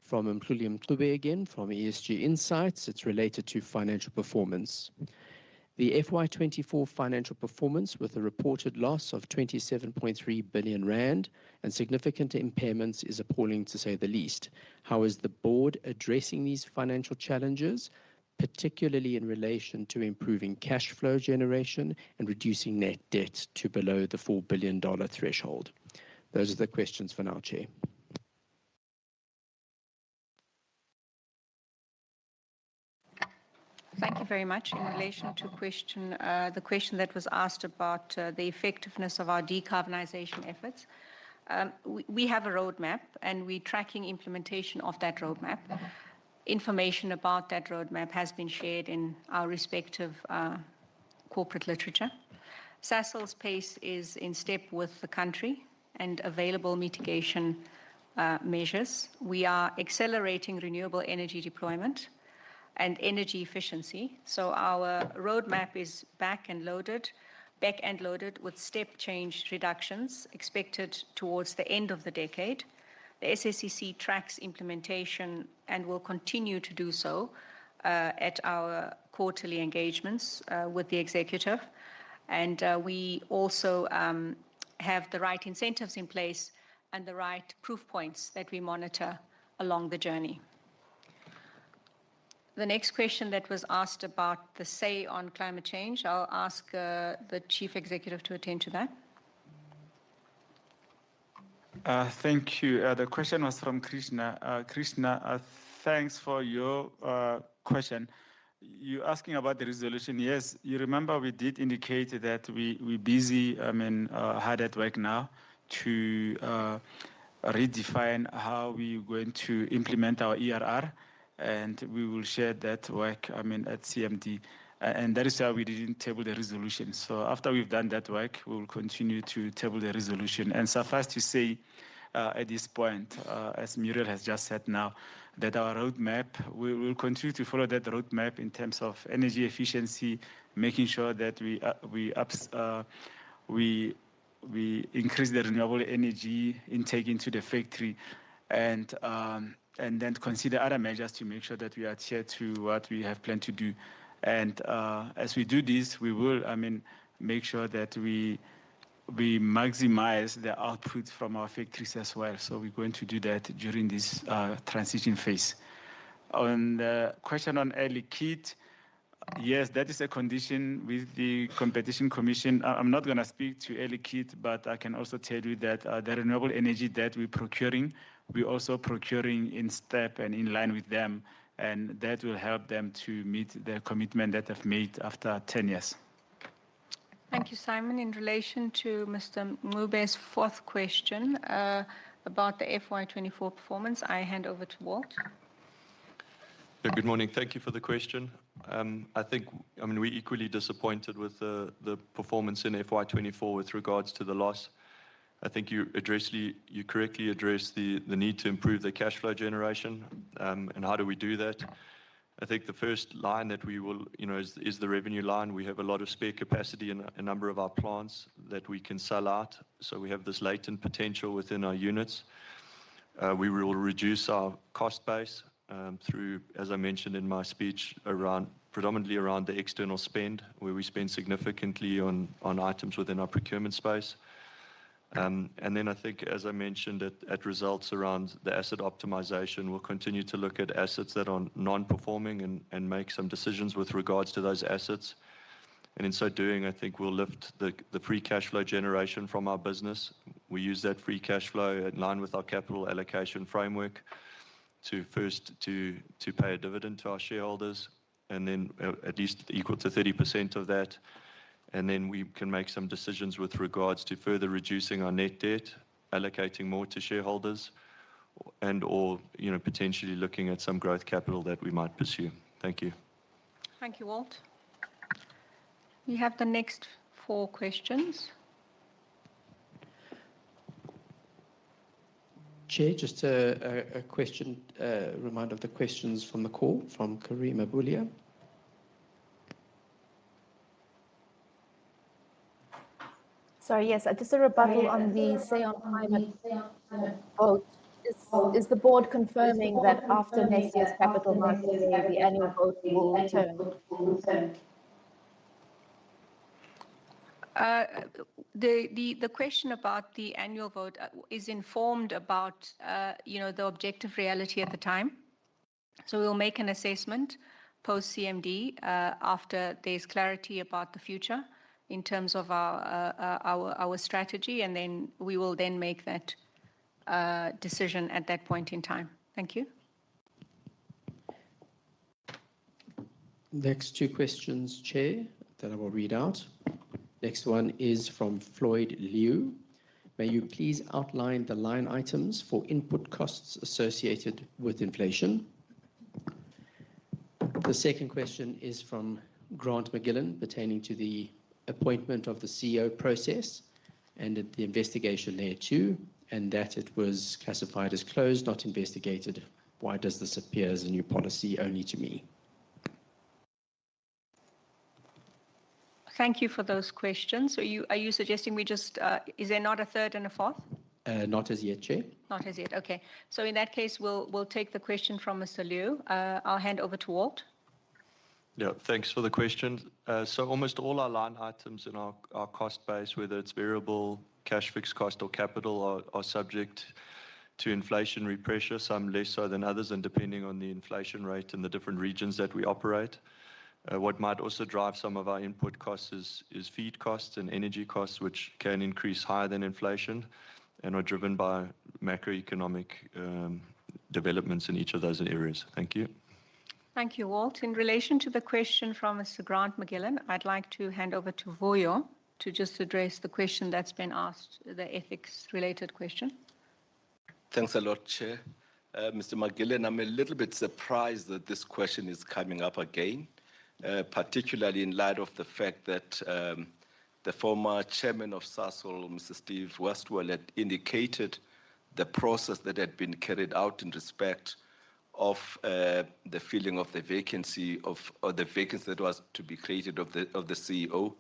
from Mehluli Mncube again from ESG Insights. It's related to financial performance. The FY2024 financial performance with a reported loss of 27.3 billion rand and significant impairments is appalling, to say the least. How is the board addressing these financial challenges, particularly in relation to improving cash flow generation and reducing net debt to below the $4 billion threshold? Those are the questions for now, Chair. Thank you very much. In relation to the question that was asked about the effectiveness of our decarbonization efforts, we have a roadmap, and we're tracking implementation of that roadmap. Information about that roadmap has been shared in our respective corporate literature. Sasol's pace is in step with the country and available mitigation measures. We are accelerating renewable energy deployment and energy efficiency. So our roadmap is back and loaded, back and loaded with step change reductions expected towards the end of the decade. The SSEC tracks implementation and will continue to do so at our quarterly engagements with the executive. And we also have the right incentives in place and the right proof points that we monitor along the journey. The next question that was asked about the say on climate change, I'll ask the Chief Executive to attend to that. Thank you. The question was from Karishma. Karishma, thanks for your question. You're asking about the resolution. Yes, you remember we did indicate that we're busy, I mean, hard at work now to redefine how we're going to implement our ERR. And we will share that work, I mean, at CMD. And that is why we didn't table the resolution. So after we've done that work, we will continue to table the resolution. And suffice to say at this point, as Muriel has just said now, that our roadmap, we will continue to follow that roadmap in terms of energy efficiency, making sure that we increase the renewable energy intake into the factory and then consider other measures to make sure that we adhere to what we have planned to do. And as we do this, we will, I mean, make sure that we maximize the output from our factories as well. So we're going to do that during this transition phase. On the question on Air Liquide, yes, that is a condition with the Competition Commission. I'm not going to speak to Air Liquide, but I can also tell you that the renewable energy that we're procuring, we're also procuring in step and in line with them. And that will help them to meet their commitment that they've made after 10 years. Thank you, Simon. In relation to Mr. Mncube's fourth question about the FY2024 performance, I hand over to Walt. Good morning. Thank you for the question. I think, I mean, we're equally disappointed with the performance in FY2024 with regards to the loss. I think you correctly address the need to improve the cash flow generation and how do we do that. I think the first line that we will, you know, is the revenue line. We have a lot of spare capacity in a number of our plants that we can sell out. So we have this latent potential within our units. We will reduce our cost base through, as I mentioned in my speech, predominantly around the external spend, where we spend significantly on items within our procurement space. And then I think, as I mentioned, that results around the asset optimization, we'll continue to look at assets that are non-performing and make some decisions with regards to those assets. And in so doing, I think we'll lift the free cash flow generation from our business. We use that free cash flow in line with our capital allocation framework to first pay a dividend to our shareholders and then at least equal to 30% of that. And then we can make some decisions with regards to further reducing our net debt, allocating more to shareholders, and/or potentially looking at some growth capital that we might pursue. Thank you. Thank you, Walt. We have the next four questions. Chair, just a question, a reminder of the questions from the call from Karishma Bhoolia. Sorry, yes, just a rebuttal on the Say on Climate vote. Is the board confirming that after next year's capital markets, the annual vote will return? The question about the annual vote is informed about the objective reality at the time. So we'll make an assessment post-CMD after there's clarity about the future in terms of our strategy. And then we will then make that decision at that point in time. Thank you. Next two questions, Chair, that I will read out. Next one is from Floyd Liu. May you please outline the line items for input costs associated with inflation? The second question is from Grant McGillan pertaining to the appointment of the CEO process and the investigation there too, and that it was classified as closed, not investigated. Why does this appear as a new policy only to me? Thank you for those questions. Are you suggesting we just, is there not a third and a fourth? Not as yet, Chair. Not as yet. Okay. So in that case, we'll take the question from Mr. Liu. I'll hand over to Walt. Yeah, thanks for the question. Almost all our line items in our cost base, whether it's variable, cash fixed cost, or capital, are subject to inflationary pressure, some less so than others, and depending on the inflation rate in the different regions that we operate. What might also drive some of our input costs is feed costs and energy costs, which can increase higher than inflation and are driven by macroeconomic developments in each of those areas. Thank you. Thank you, Walt. In relation to the question from Mr. Grant McGillan, I'd like to hand over to Vuyo to just address the question that's been asked, the ethics-related question. Thanks a lot, Chair. Mr. McGillan, I'm a little bit surprised that this question is coming up again, particularly in light of the fact that the former chairman of Sasol, Mr. Steve Westwell, had indicated the process that had been carried out in respect of the filling of the vacancy that was to be created of the CEO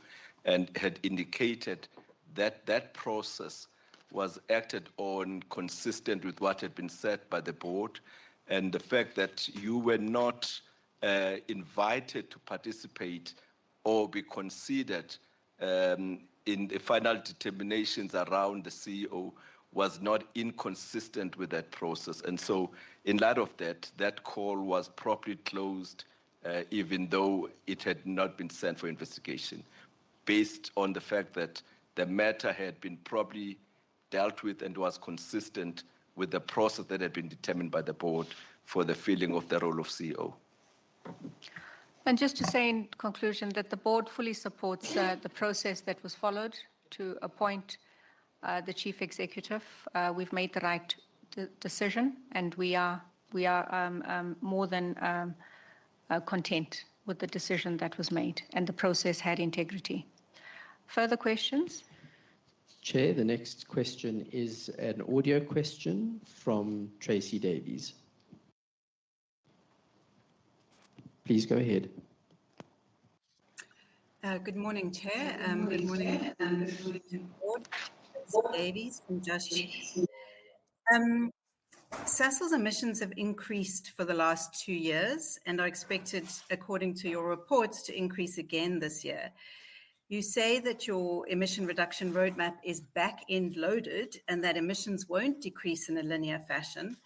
and had indicated that that process was acted on consistent with what had been said by the board. And the fact that you were not invited to participate or be considered in the final determinations around the CEO was not inconsistent with that process. And so in light of that, that call was properly closed, even though it had not been sent for investigation, based on the fact that the matter had been properly dealt with and was consistent with the process that had been determined by the board for the filling of the role of CEO. Just to say in conclusion that the board fully supports the process that was followed to appoint the Chief Executive, we've made the right decision, and we are more than content with the decision that was made and the process had integrity. Further questions? Chair, the next question is an audio question from Tracey Davies. Please go ahead. Good morning, Chair. Good morning. And good morning to the board. This is Davies from Just Share. Sasol's emissions have increased for the last two years and are expected, according to your reports, to increase again this year. You say that your emission reduction roadmap is back-end loaded and that emissions won't decrease in a linear fashion,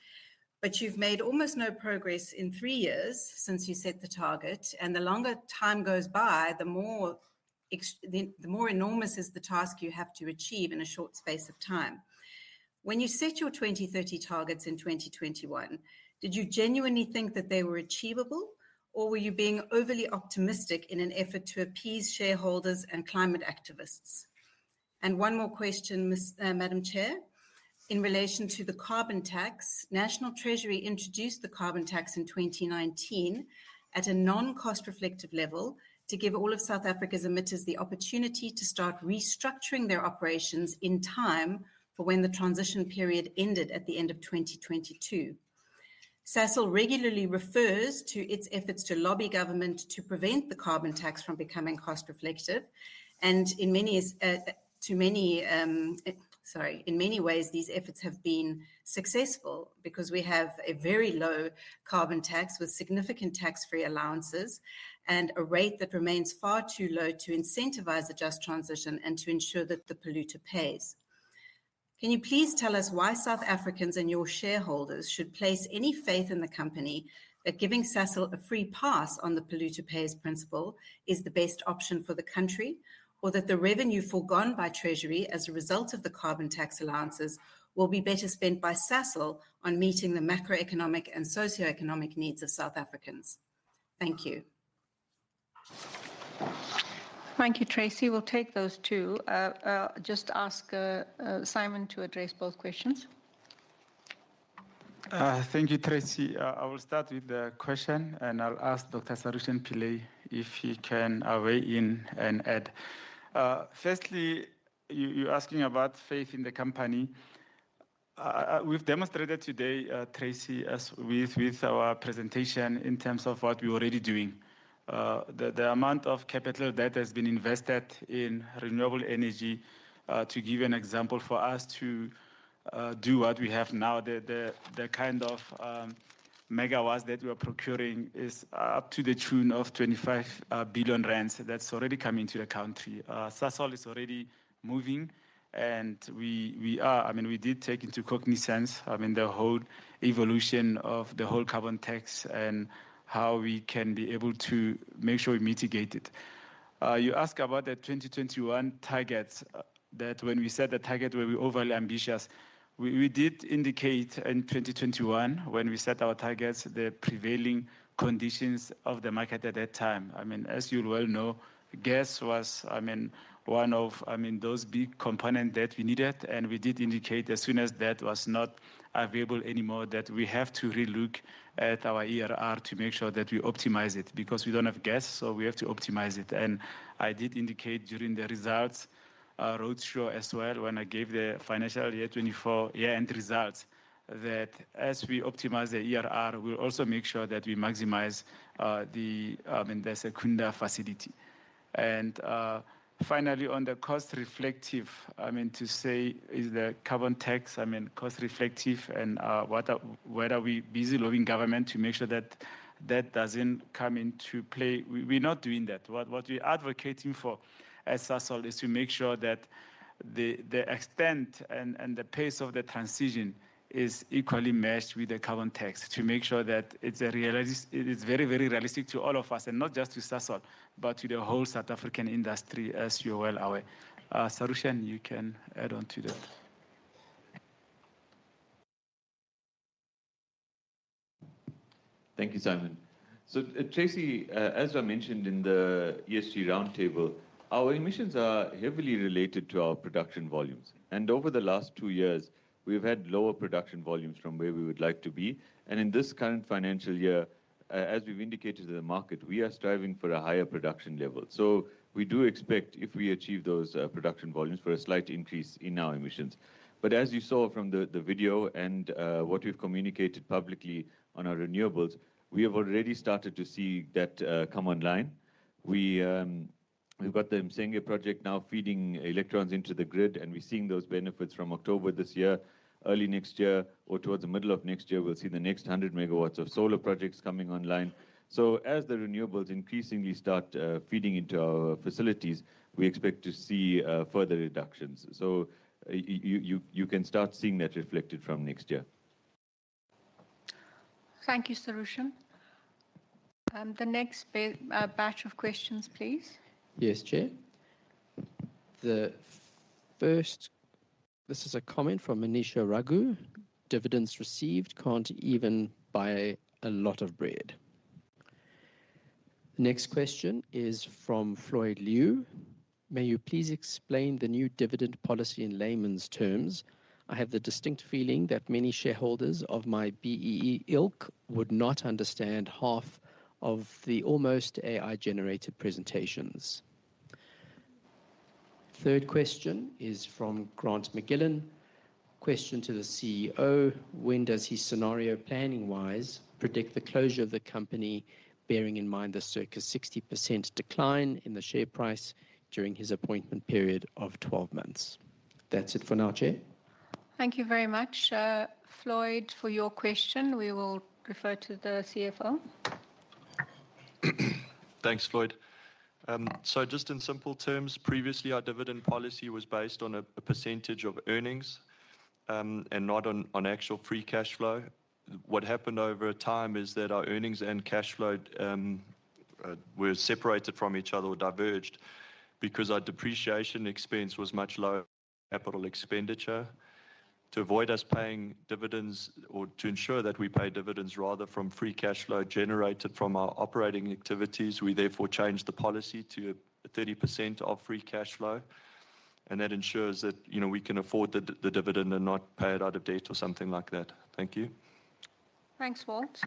but you've made almost no progress in three years since you set the target. And the longer time goes by, the more enormous is the task you have to achieve in a short space of time. When you set your 2030 targets in 2021, did you genuinely think that they were achievable, or were you being overly optimistic in an effort to appease shareholders and climate activists? And one more question, Madam Chair. In relation to the carbon tax, National Treasury introduced the carbon tax in 2019 at a non-cost-reflective level to give all of South Africa's emitters the opportunity to start restructuring their operations in time for when the transition period ended at the end of 2022. Sasol regularly refers to its efforts to lobby government to prevent the carbon tax from becoming cost-reflective, and in many ways, these efforts have been successful because we have a very low carbon tax with significant tax-free allowances and a rate that remains far too low to incentivize a Just Transition and to ensure that the polluter pays. Can you please tell us why South Africans and your shareholders should place any faith in the company that giving Sasol a free pass on the polluter pays principle is the best option for the country, or that the revenue forgone by Treasury as a result of the carbon tax allowances will be better spent by Sasol on meeting the macroeconomic and socioeconomic needs of South Africans? Thank you. Thank you, Tracy. We'll take those two. Just ask Simon to address both questions. Thank you, Tracy. I will start with the question, and I'll ask Dr. Sarushen Pillay if he can weigh in and add. Firstly, you're asking about faith in the company. We've demonstrated today, Tracy, with our presentation in terms of what we're already doing. The amount of capital that has been invested in renewable energy, to give you an example for us to do what we have now, the kind of megawatts that we are procuring is up to the tune of 25 billion rand that's already coming to the country. Sasol is already moving, and we are, I mean, we did take into cognizance, I mean, the whole evolution of the whole carbon tax and how we can be able to make sure we mitigate it. You ask about the 2021 targets, that when we set the target, we were overly ambitious. We did indicate in 2021, when we set our targets, the prevailing conditions of the market at that time. I mean, as you well know, gas was, I mean, one of, I mean, those big components that we needed. We did indicate as soon as that was not available anymore that we have to relook at our ERR to make sure that we optimize it because we don't have gas, so we have to optimize it. I did indicate during the results roadshow as well, when I gave the financial year 2024 year-end results, that as we optimize the ERR, we'll also make sure that we maximise the Secunda facility. Finally, on the cost-reflective, I mean, to say, is the carbon tax, I mean, cost-reflective and whether we're busy lobbying government to make sure that that doesn't come into play. We're not doing that. What we're advocating for at Sasol is to make sure that the extent and the pace of the transition is equally matched with the carbon tax to make sure that it's very, very realistic to all of us and not just to Sasol, but to the whole South African industry as you well aware. Sarushen, you can add on to that. Thank you, Simon. So Tracy, as I mentioned in the ESG roundtable, our emissions are heavily related to our production volumes. And over the last two years, we've had lower production volumes from where we would like to be. And in this current financial year, as we've indicated to the market, we are striving for a higher production level. So we do expect, if we achieve those production volumes, for a slight increase in our emissions. But as you saw from the video and what we've communicated publicly on our renewables, we have already started to see that come online. We've got the Msenge Project now feeding electrons into the grid, and we're seeing those benefits from October this year. Early next year or towards the middle of next year, we'll see the next 100 MW of solar projects coming online. So as the renewables increasingly start feeding into our facilities, we expect to see further reductions. So you can start seeing that reflected from next year. Thank you, Sarushen. The next batch of questions, please. Yes, Chair. The first, this is a comment from Manisha Raghu. Dividends received can't even buy a lot of bread. The next question is from Floyd Liu. May you please explain the new dividend policy in layman's terms? I have the distinct feeling that many shareholders of my BEE ilk would not understand half of the almost AI-generated presentations. Third question is from Grant McGillan. Question to the CEO. When does he scenario planning-wise predict the closure of the company, bearing in mind the circa 60% decline in the share price during his appointment period of 12 months? That's it for now, Chair. Thank you very much, Floyd, for your question. We will refer to the CFO. Thanks, Floyd. So just in simple terms, previously our dividend policy was based on a percentage of earnings and not on actual free cash flow. What happened over time is that our earnings and cash flow were separated from each other or diverged because our depreciation expense was much lower than capital expenditure. To avoid us paying dividends or to ensure that we pay dividends rather from free cash flow generated from our operating activities, we therefore changed the policy to 30% of free cash flow, and that ensures that we can afford the dividend and not pay it out of debt or something like that. Thank you. Thanks, Walt.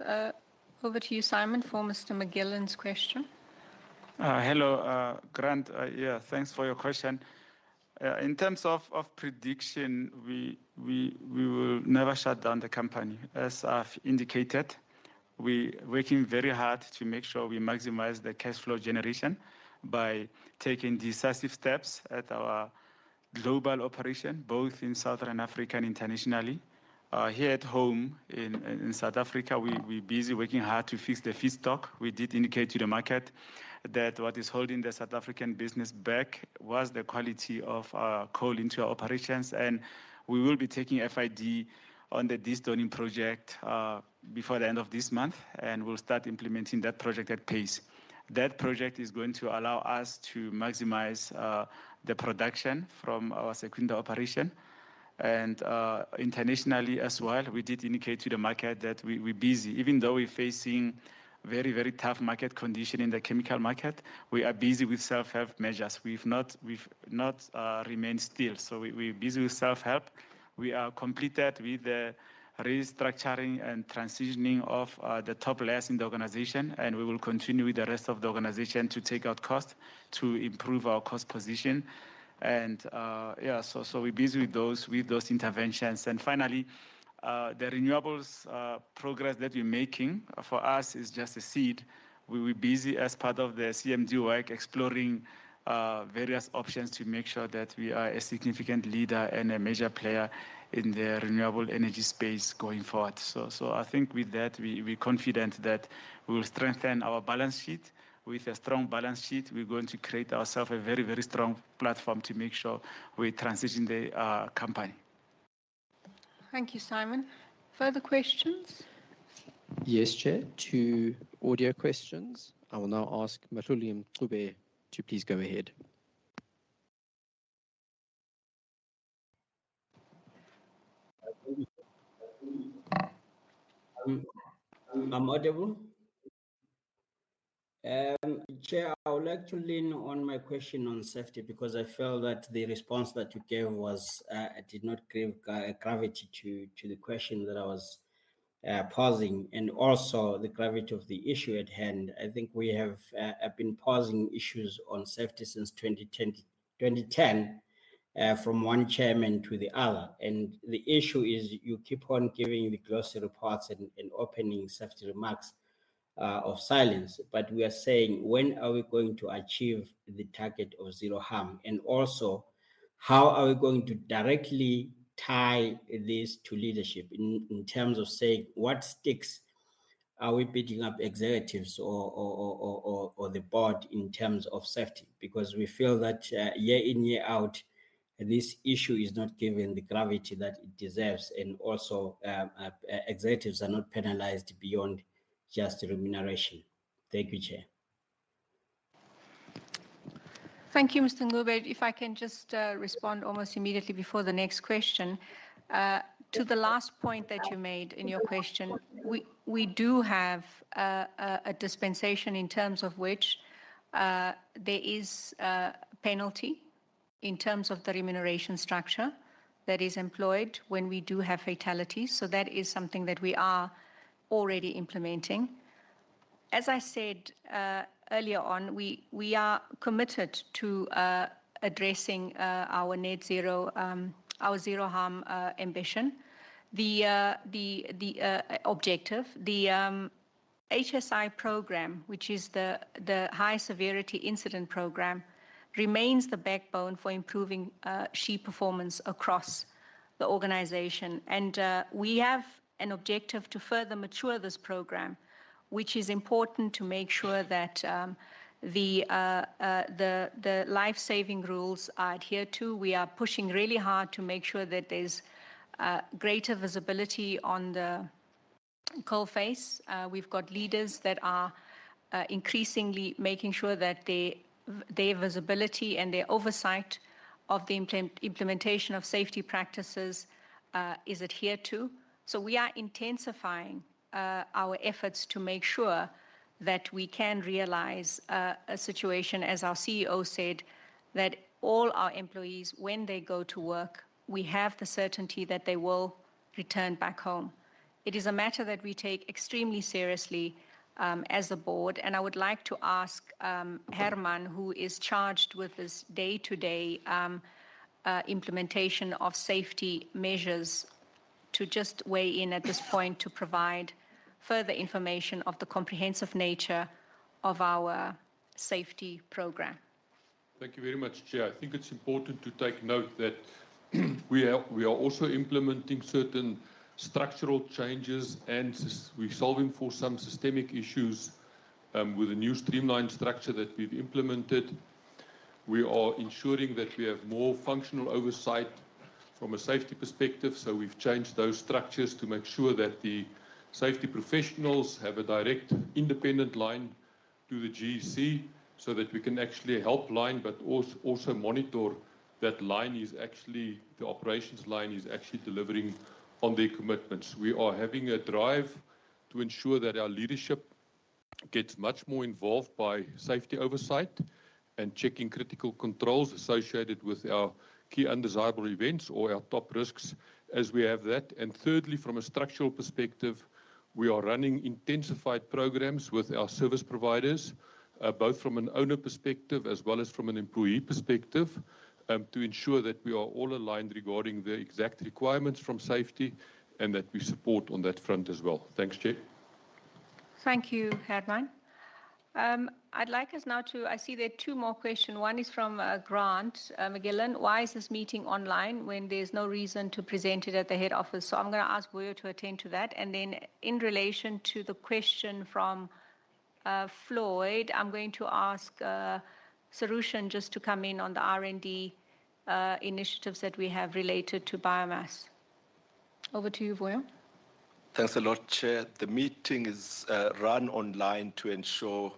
Over to you, Simon, for Mr. McGillan's question. Hello, Grant. Yeah, thanks for your question. In terms of prediction, we will never shut down the company. As I've indicated, we're working very hard to make sure we maximize the cash flow generation by taking decisive steps at our global operation, both in Southern Africa and internationally. Here at home in South Africa, we're busy working hard to fix the feedstock. We did indicate to the market that what is holding the South African business back was the quality of our coal into our operations. And we will be taking FID on the destoning project before the end of this month, and we'll start implementing that project at pace. That project is going to allow us to maximize the production from our Secunda operation. And internationally as well, we did indicate to the market that we're busy. Even though we're facing very, very tough market conditions in the chemical market, we are busy with self-help measures. We've not remained still, so we're busy with self-help. We are completed with the restructuring and transitioning of the top layers in the organization, and we will continue with the rest of the organization to take out costs to improve our cost position, and yeah, so we're busy with those interventions, and finally, the renewables progress that we're making for us is just a seed. We're busy as part of the CMD exploring various options to make sure that we are a significant leader and a major player in the renewable energy space going forward, so I think with that, we're confident that we will strengthen our balance sheet. With a strong balance sheet, we're going to create ourselves a very, very strong platform to make sure we transition the company. Thank you, Simon. Further questions? Yes, Chair. Two audio questions. I will now ask Mehluli Mncube to please go ahead. I'm audible. Chair, I would like to lean on my question on safety because I felt that the response that you gave did not give gravity to the question that I was posing and also the gravity of the issue at hand. I think we have been posing issues on safety since 2010 from one chairman to the other. And the issue is you keep on giving the glossy parts and opening safety remarks of silence, but we are saying, when are we going to achieve the target of Zero Harm? And also, how are we going to directly tie this to leadership in terms of saying what's at stake? Are we beating up executives or the board in terms of safety? Because we feel that year in, year out, this issue is not given the gravity that it deserves, and also executives are not penalized beyond just remuneration. Thank you, Chair. Thank you, Mr. Mncube. If I can just respond almost immediately before the next question. To the last point that you made in your question, we do have a dispensation in terms of which there is a penalty in terms of the remuneration structure that is employed when we do have fatalities. So that is something that we are already implementing. As I said earlier on, we are committed to addressing our net zero, our Zero Harm ambition. The objective, the HSI program, which is the high severity incident program, remains the backbone for improving SHE performance across the organization. And we have an objective to further mature this program, which is important to make sure that the Life Saving Rules are adhered to. We are pushing really hard to make sure that there's greater visibility on the coal face. We've got leaders that are increasingly making sure that their visibility and their oversight of the implementation of safety practices is adhered to. So we are intensifying our efforts to make sure that we can realize a situation, as our CEO said, that all our employees, when they go to work, we have the certainty that they will return back home. It is a matter that we take extremely seriously as a board. And I would like to ask Herrmann, who is charged with this day-to-day implementation of safety measures, to just weigh in at this point to provide further information of the comprehensive nature of our safety program. Thank you very much, Chair. I think it's important to take note that we are also implementing certain structural changes, and we're solving for some systemic issues with a new streamlined structure that we've implemented. We are ensuring that we have more functional oversight from a safety perspective. So we've changed those structures to make sure that the safety professionals have a direct independent line to the GEC so that we can actually help line, but also monitor that line is actually the operations line is actually delivering on their commitments. We are having a drive to ensure that our leadership gets much more involved by safety oversight and checking critical controls associated with our key undesirable events or our top risks as we have that. Thirdly, from a structural perspective, we are running intensified programs with our service providers, both from an owner perspective as well as from an employee perspective, to ensure that we are all aligned regarding the exact requirements from safety and that we support on that front as well. Thanks, Chair. Thank you, Herrmann. I'd like us now to. I see there are two more questions. One is from Grant McGillan. Why is this meeting online when there's no reason to present it at the head office? So I'm going to ask Vuyo to attend to that. And then in relation to the question from Floyd, I'm going to ask Sarushen just to come in on the R&D initiatives that we have related to biomass. Over to you, Vuyo. Thanks a lot, Chair. The meeting is run online to ensure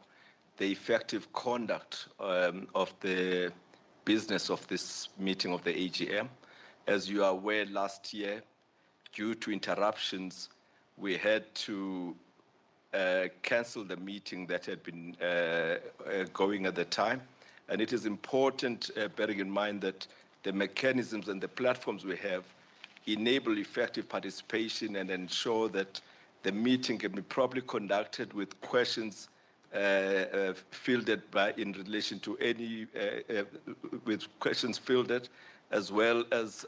the effective conduct of the business of this meeting of the AGM. As you are aware, last year, due to interruptions, we had to cancel the meeting that had been going at the time. And it is important, bearing in mind that the mechanisms and the platforms we have enable effective participation and ensure that the meeting can be properly conducted with questions fielded in relation to any, as well as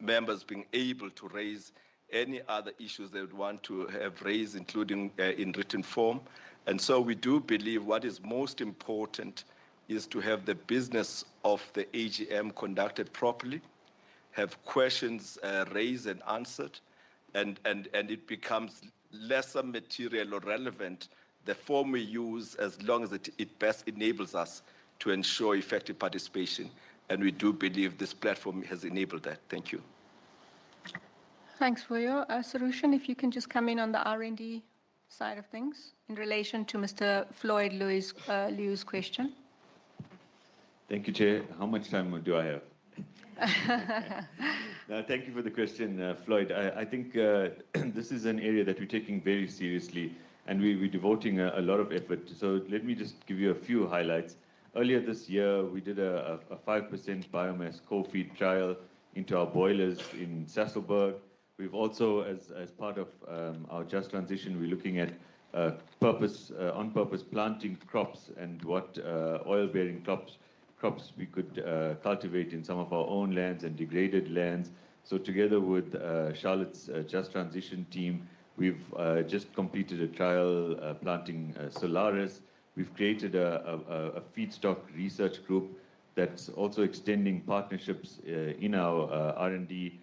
members being able to raise any other issues they would want to have raised, including in written form. And so we do believe what is most important is to have the business of the AGM conducted properly, have questions raised and answered, and it becomes lesser material or relevant the form we use as long as it best enables us to ensure effective participation. We do believe this platform has enabled that. Thank you. Thanks, Vuyo. Sarushen, if you can just come in on the R&D side of things in relation to Mr. Floyd Liu's question. Thank you, Chair. How much time do I have? Thank you for the question, Floyd. I think this is an area that we're taking very seriously, and we're devoting a lot of effort. So let me just give you a few highlights. Earlier this year, we did a 5% biomass coal feed trial into our boilers in Sasolburg. We've also, as part of our just transition, we're looking at on-purpose planting crops and what oil-bearing crops we could cultivate in some of our own lands and degraded lands. So together with Charlotte's just transition team, we've just completed a trial planting Solaris. We've created a feedstock research group that's also extending partnerships in our R&D.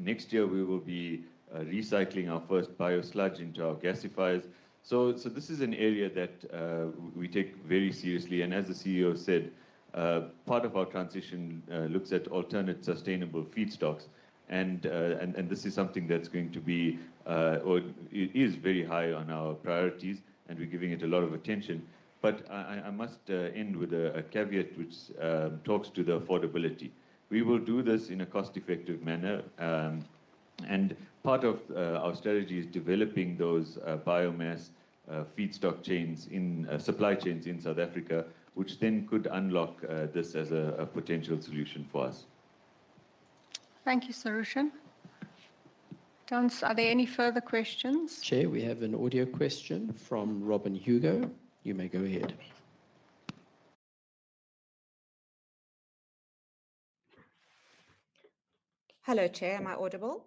Next year, we will be recycling our first biosludge into our gasifiers. So this is an area that we take very seriously. And as the CEO said, part of our transition looks at alternate sustainable feedstocks. And this is something that's going to be or is very high on our priorities, and we're giving it a lot of attention. But I must end with a caveat which talks to the affordability. We will do this in a cost-effective manner. And part of our strategy is developing those biomass feedstock chains in supply chains in South Africa, which then could unlock this as a potential solution for us. Thank you, Sarushen. Are there any further questions? Chair, we have an audio question from Robyn Hugo. You may go ahead. Hello, Chair. Am I audible?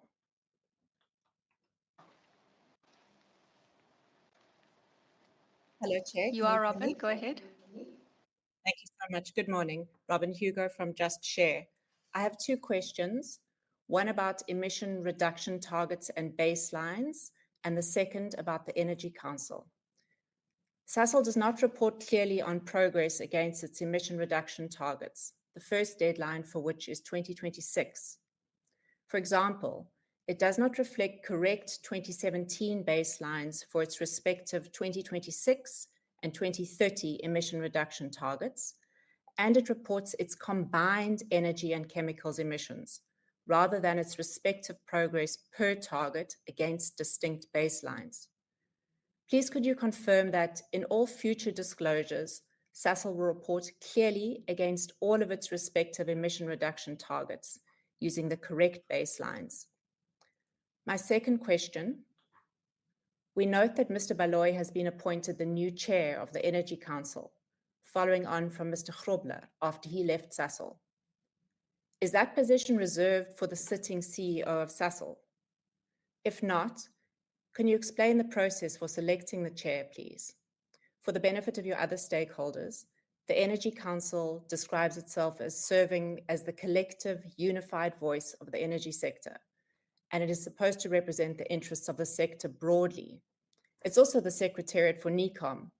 Hello, Chair. You are, Robyn. Go ahead. Thank you so much. Good morning, Robyn Hugo from Just Share. I have two questions. One about emission reduction targets and baselines, and the second about the Energy Council. Sasol does not report clearly on progress against its emission reduction targets, the first deadline for which is 2026. For example, it does not reflect correct 2017 baselines for its respective 2026 and 2030 emission reduction targets, and it reports its combined energy and chemicals emissions rather than its respective progress per target against distinct baselines. Please, could you confirm that in all future disclosures, Sasol will report clearly against all of its respective emission reduction targets using the correct baselines? My second question. We note that Mr. Baloyi has been appointed the new chair of the Energy Council, following on from Mr. Grobler after he left Sasol. Is that position reserved for the sitting CEO of Sasol? If not, can you explain the process for selecting the chair, please? For the benefit of your other stakeholders, the Energy Council describes itself as serving as the collective unified voice of the energy sector, and it is supposed to represent the interests of the sector broadly. It's also the secretariat for NECOM,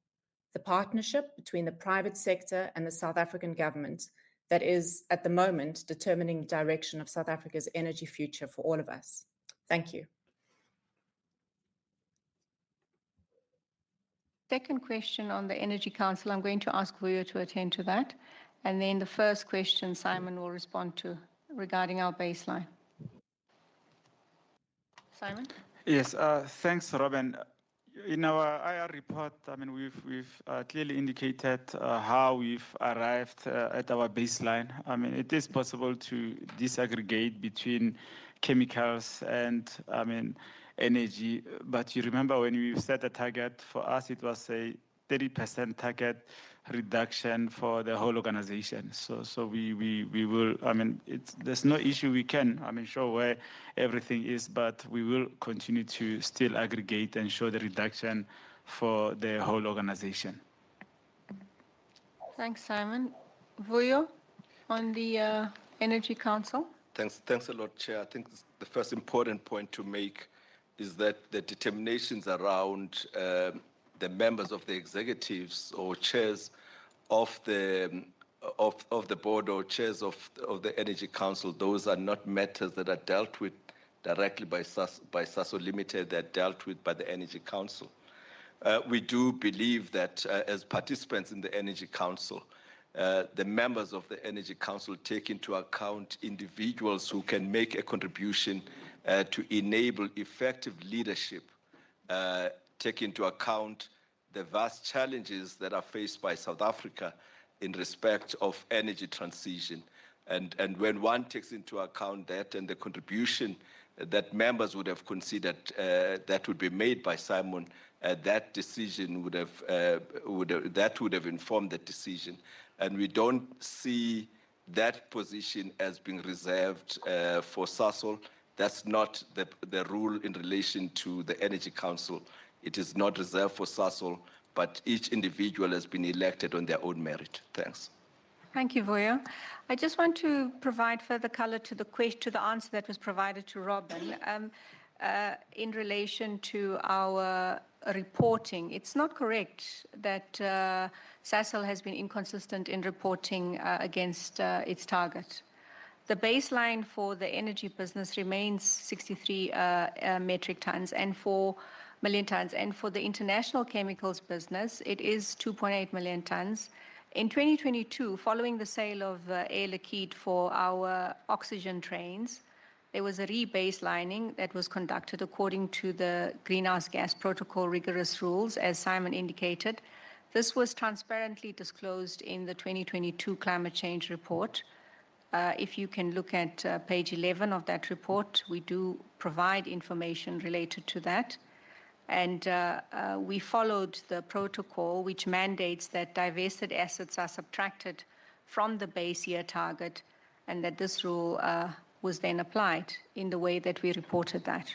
the partnership between the private sector and the South African government that is, at the moment, determining the direction of South Africa's energy future for all of us. Thank you. Second question on the Energy Council. I'm going to ask Vuyo to attend to that. And then the first question, Simon will respond to regarding our baseline. Simon? Yes. Thanks, Robyn. In our IR report, I mean, we've clearly indicated how we've arrived at our baseline. I mean, it is possible to disaggregate between chemicals and, I mean, energy. But you remember when we set a target for us, it was a 30% target reduction for the whole organization. So we will, I mean, there's no issue we can show where everything is, but we will continue to still aggregate and show the reduction for the whole organization. Thanks, Simon. Vuyo on the Energy Council? Thanks a lot, Chair. I think the first important point to make is that the determinations around the members of the executives or chairs of the board or chairs of the Energy Council, those are not matters that are dealt with directly by Sasol Limited. They're dealt with by the Energy Council. We do believe that as participants in the Energy Council, the members of the Energy Council take into account individuals who can make a contribution to enable effective leadership, take into account the vast challenges that are faced by South Africa in respect of energy transition. And when one takes into account that and the contribution that members would have considered that would be made by Simon, that decision would have informed that decision. And we don't see that position as being reserved for Sasol. That's not the rule in relation to the Energy Council. It is not reserved for Sasol, but each individual has been elected on their own merit. Thanks. Thank you, Vuyo. I just want to provide further color to the answer that was provided to Robyn in relation to our reporting. It's not correct that Sasol has been inconsistent in reporting against its target. The baseline for the energy business remains 63 metric tons and 4 million tons. And for the international chemicals business, it is 2.8 million tons. In 2022, following the sale of Air Liquide for our oxygen trains, there was a rebaselining that was conducted according to the Greenhouse Gas Protocol rigorous rules, as Simon indicated. This was transparently disclosed in the 2022 climate change report. If you can look at page 11 of that report, we do provide information related to that. And we followed the protocol, which mandates that divested assets are subtracted from the base year target, and that this rule was then applied in the way that we reported that.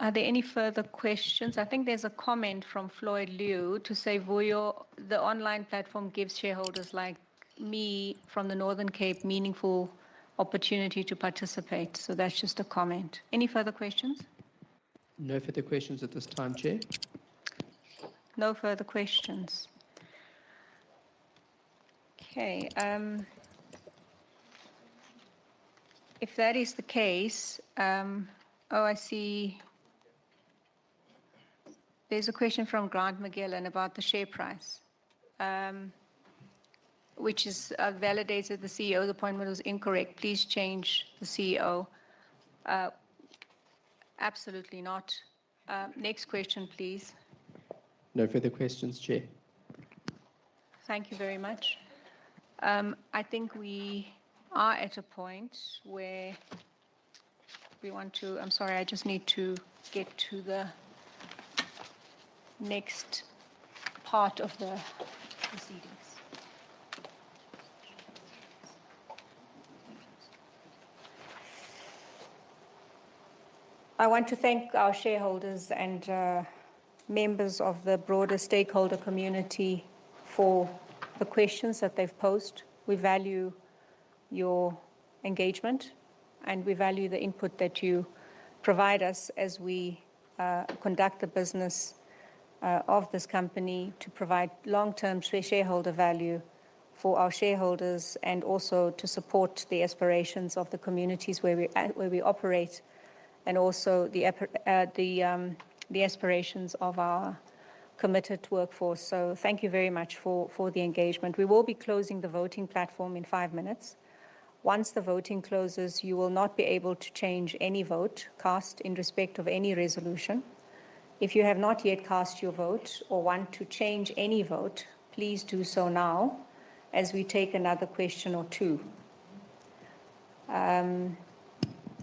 Are there any further questions? I think there's a comment from Floyd Liu to say, Vuyo, the online platform gives shareholders like me from the Northern Cape meaningful opportunity to participate. So that's just a comment. Any further questions? No further questions at this time, Chair. No further questions. Okay. If that is the case, oh, I see there's a question from Grant McGillan about the share price, which validates the CEO's appointment was incorrect. Please change the CEO. Absolutely not. Next question, please. No further questions, Chair. Thank you very much. I think we are at a point where we want to, I'm sorry, I just need to get to the next part of the proceedings. I want to thank our shareholders and members of the broader stakeholder community for the questions that they've posed. We value your engagement, and we value the input that you provide us as we conduct the business of this company to provide long-term shareholder value for our shareholders and also to support the aspirations of the communities where we operate and also the aspirations of our committed workforce. So thank you very much for the engagement. We will be closing the voting platform in five minutes. Once the voting closes, you will not be able to change any vote cast in respect of any resolution. If you have not yet cast your vote or want to change any vote, please do so now as we take another question or two.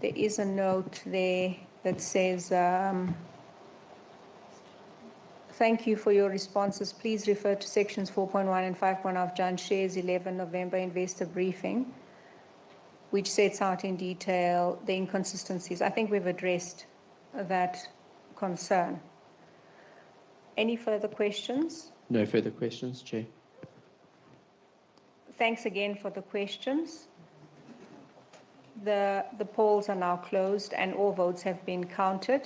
There is a note there that says, "Thank you for your responses. Please refer to sections 4.1 and 5.0 of Just Share's 11 November investor briefing," which sets out in detail the inconsistencies. I think we've addressed that concern. Any further questions? No further questions, Chair. Thanks again for the questions. The polls are now closed, and all votes have been counted.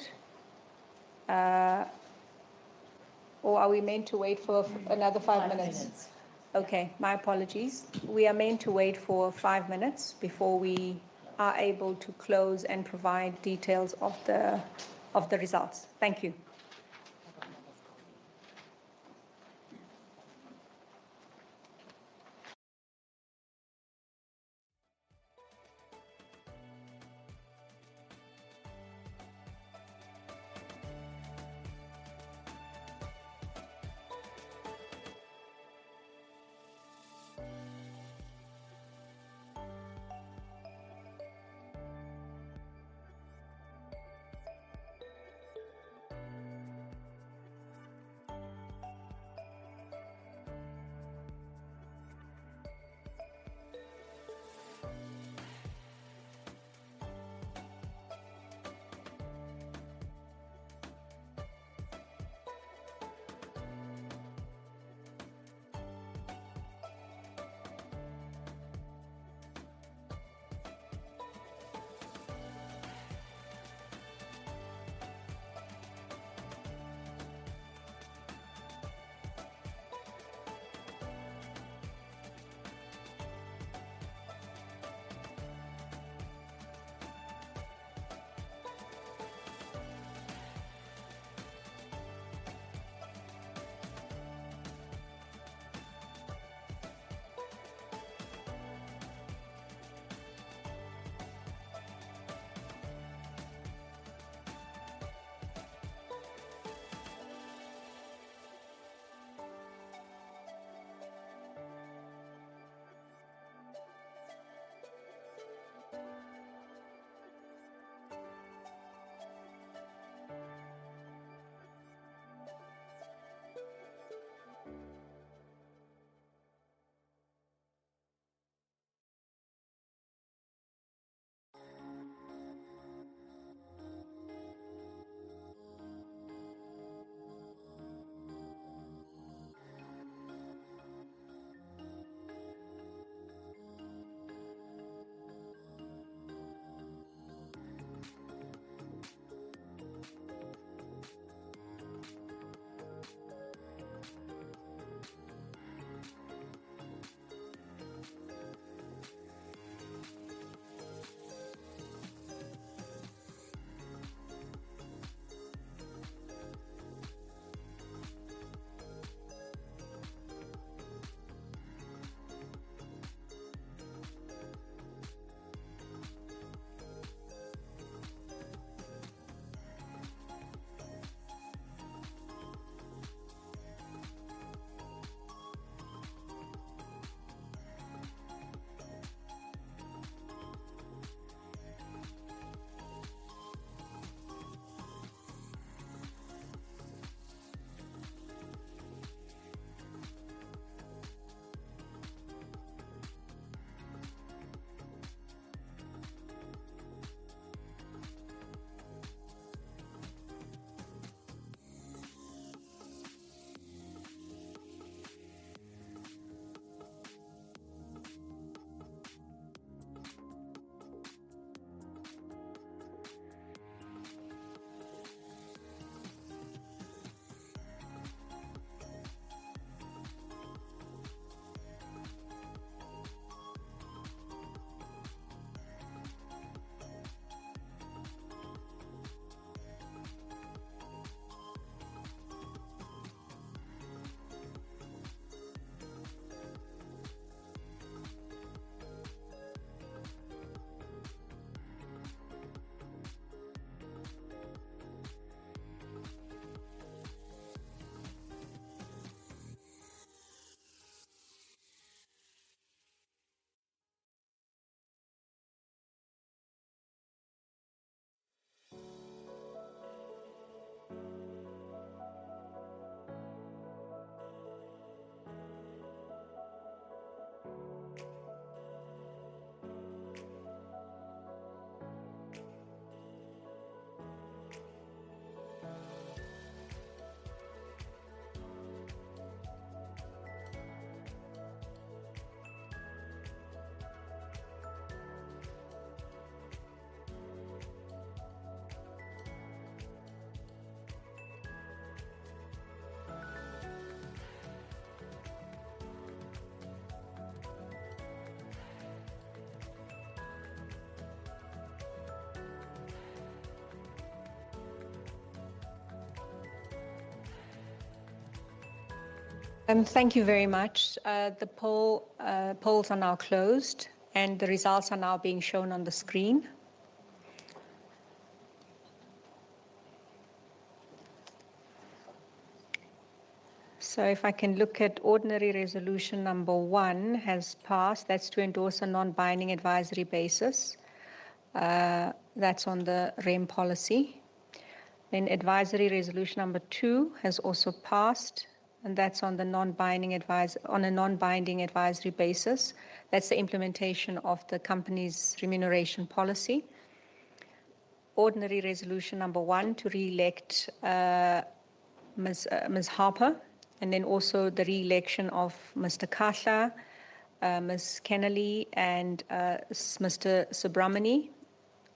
Or are we meant to wait for another five minutes? Okay. My apologies. We are meant to wait for five minutes before we are able to close and provide details of the results. Thank you. Thank you very much. The polls are now closed, and the results are now being shown on the screen. So if I can look at ordinary resolution number one has passed. That's to endorse a non-binding advisory basis. That's on the Rem policy. Then advisory resolution number two has also passed, and that's on a non-binding advisory basis. That's the implementation of the company's remuneration policy. Ordinary resolution number one to reelect Ms. Harper, and then also the reelection of Mr. Kahla, Mrs. Kennealy, and Mr. Subramoney.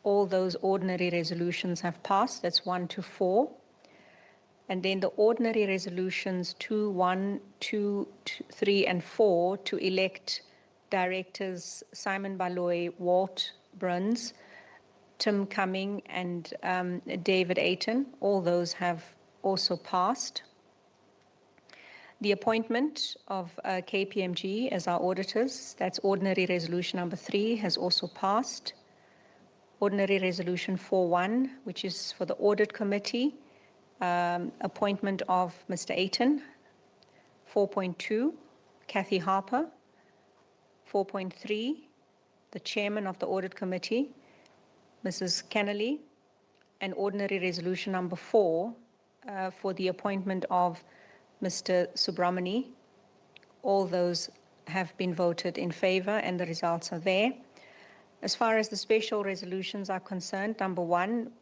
All those ordinary resolutions have passed. That's one to four. Then the ordinary resolutions two, one, two, three, and four to elect directors Simon Baloyi, Walt Bruns, Tim Cumming, and David Eyton. All those have also passed. The appointment of KPMG as our auditors. That's ordinary resolution number three has also passed. Ordinary resolution four one, which is for the audit committee. Appointment of Mr. Eyton, 4.2. Kathy Harper, 4.3. The chairman of the audit committee, Mrs. Kennealy. Ordinary resolution number four for the appointment of Mr. Subramoney. All those have been voted in favor, and the results are there. As far as the special resolutions are concerned, number one,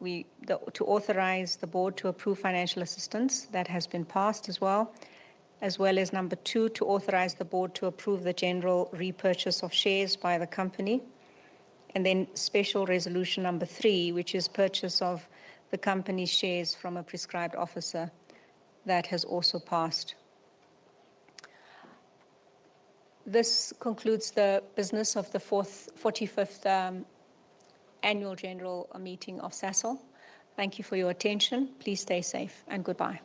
to authorize the board to approve financial assistance. That has been passed as well. As well as number two, to authorize the board to approve the general repurchase of shares by the company. And then special resolution number three, which is purchase of the company's shares from a prescribed officer. That has also passed. This concludes the business of the 45th annual general meeting of Sasol. Thank you for your attention. Please stay safe and goodbye.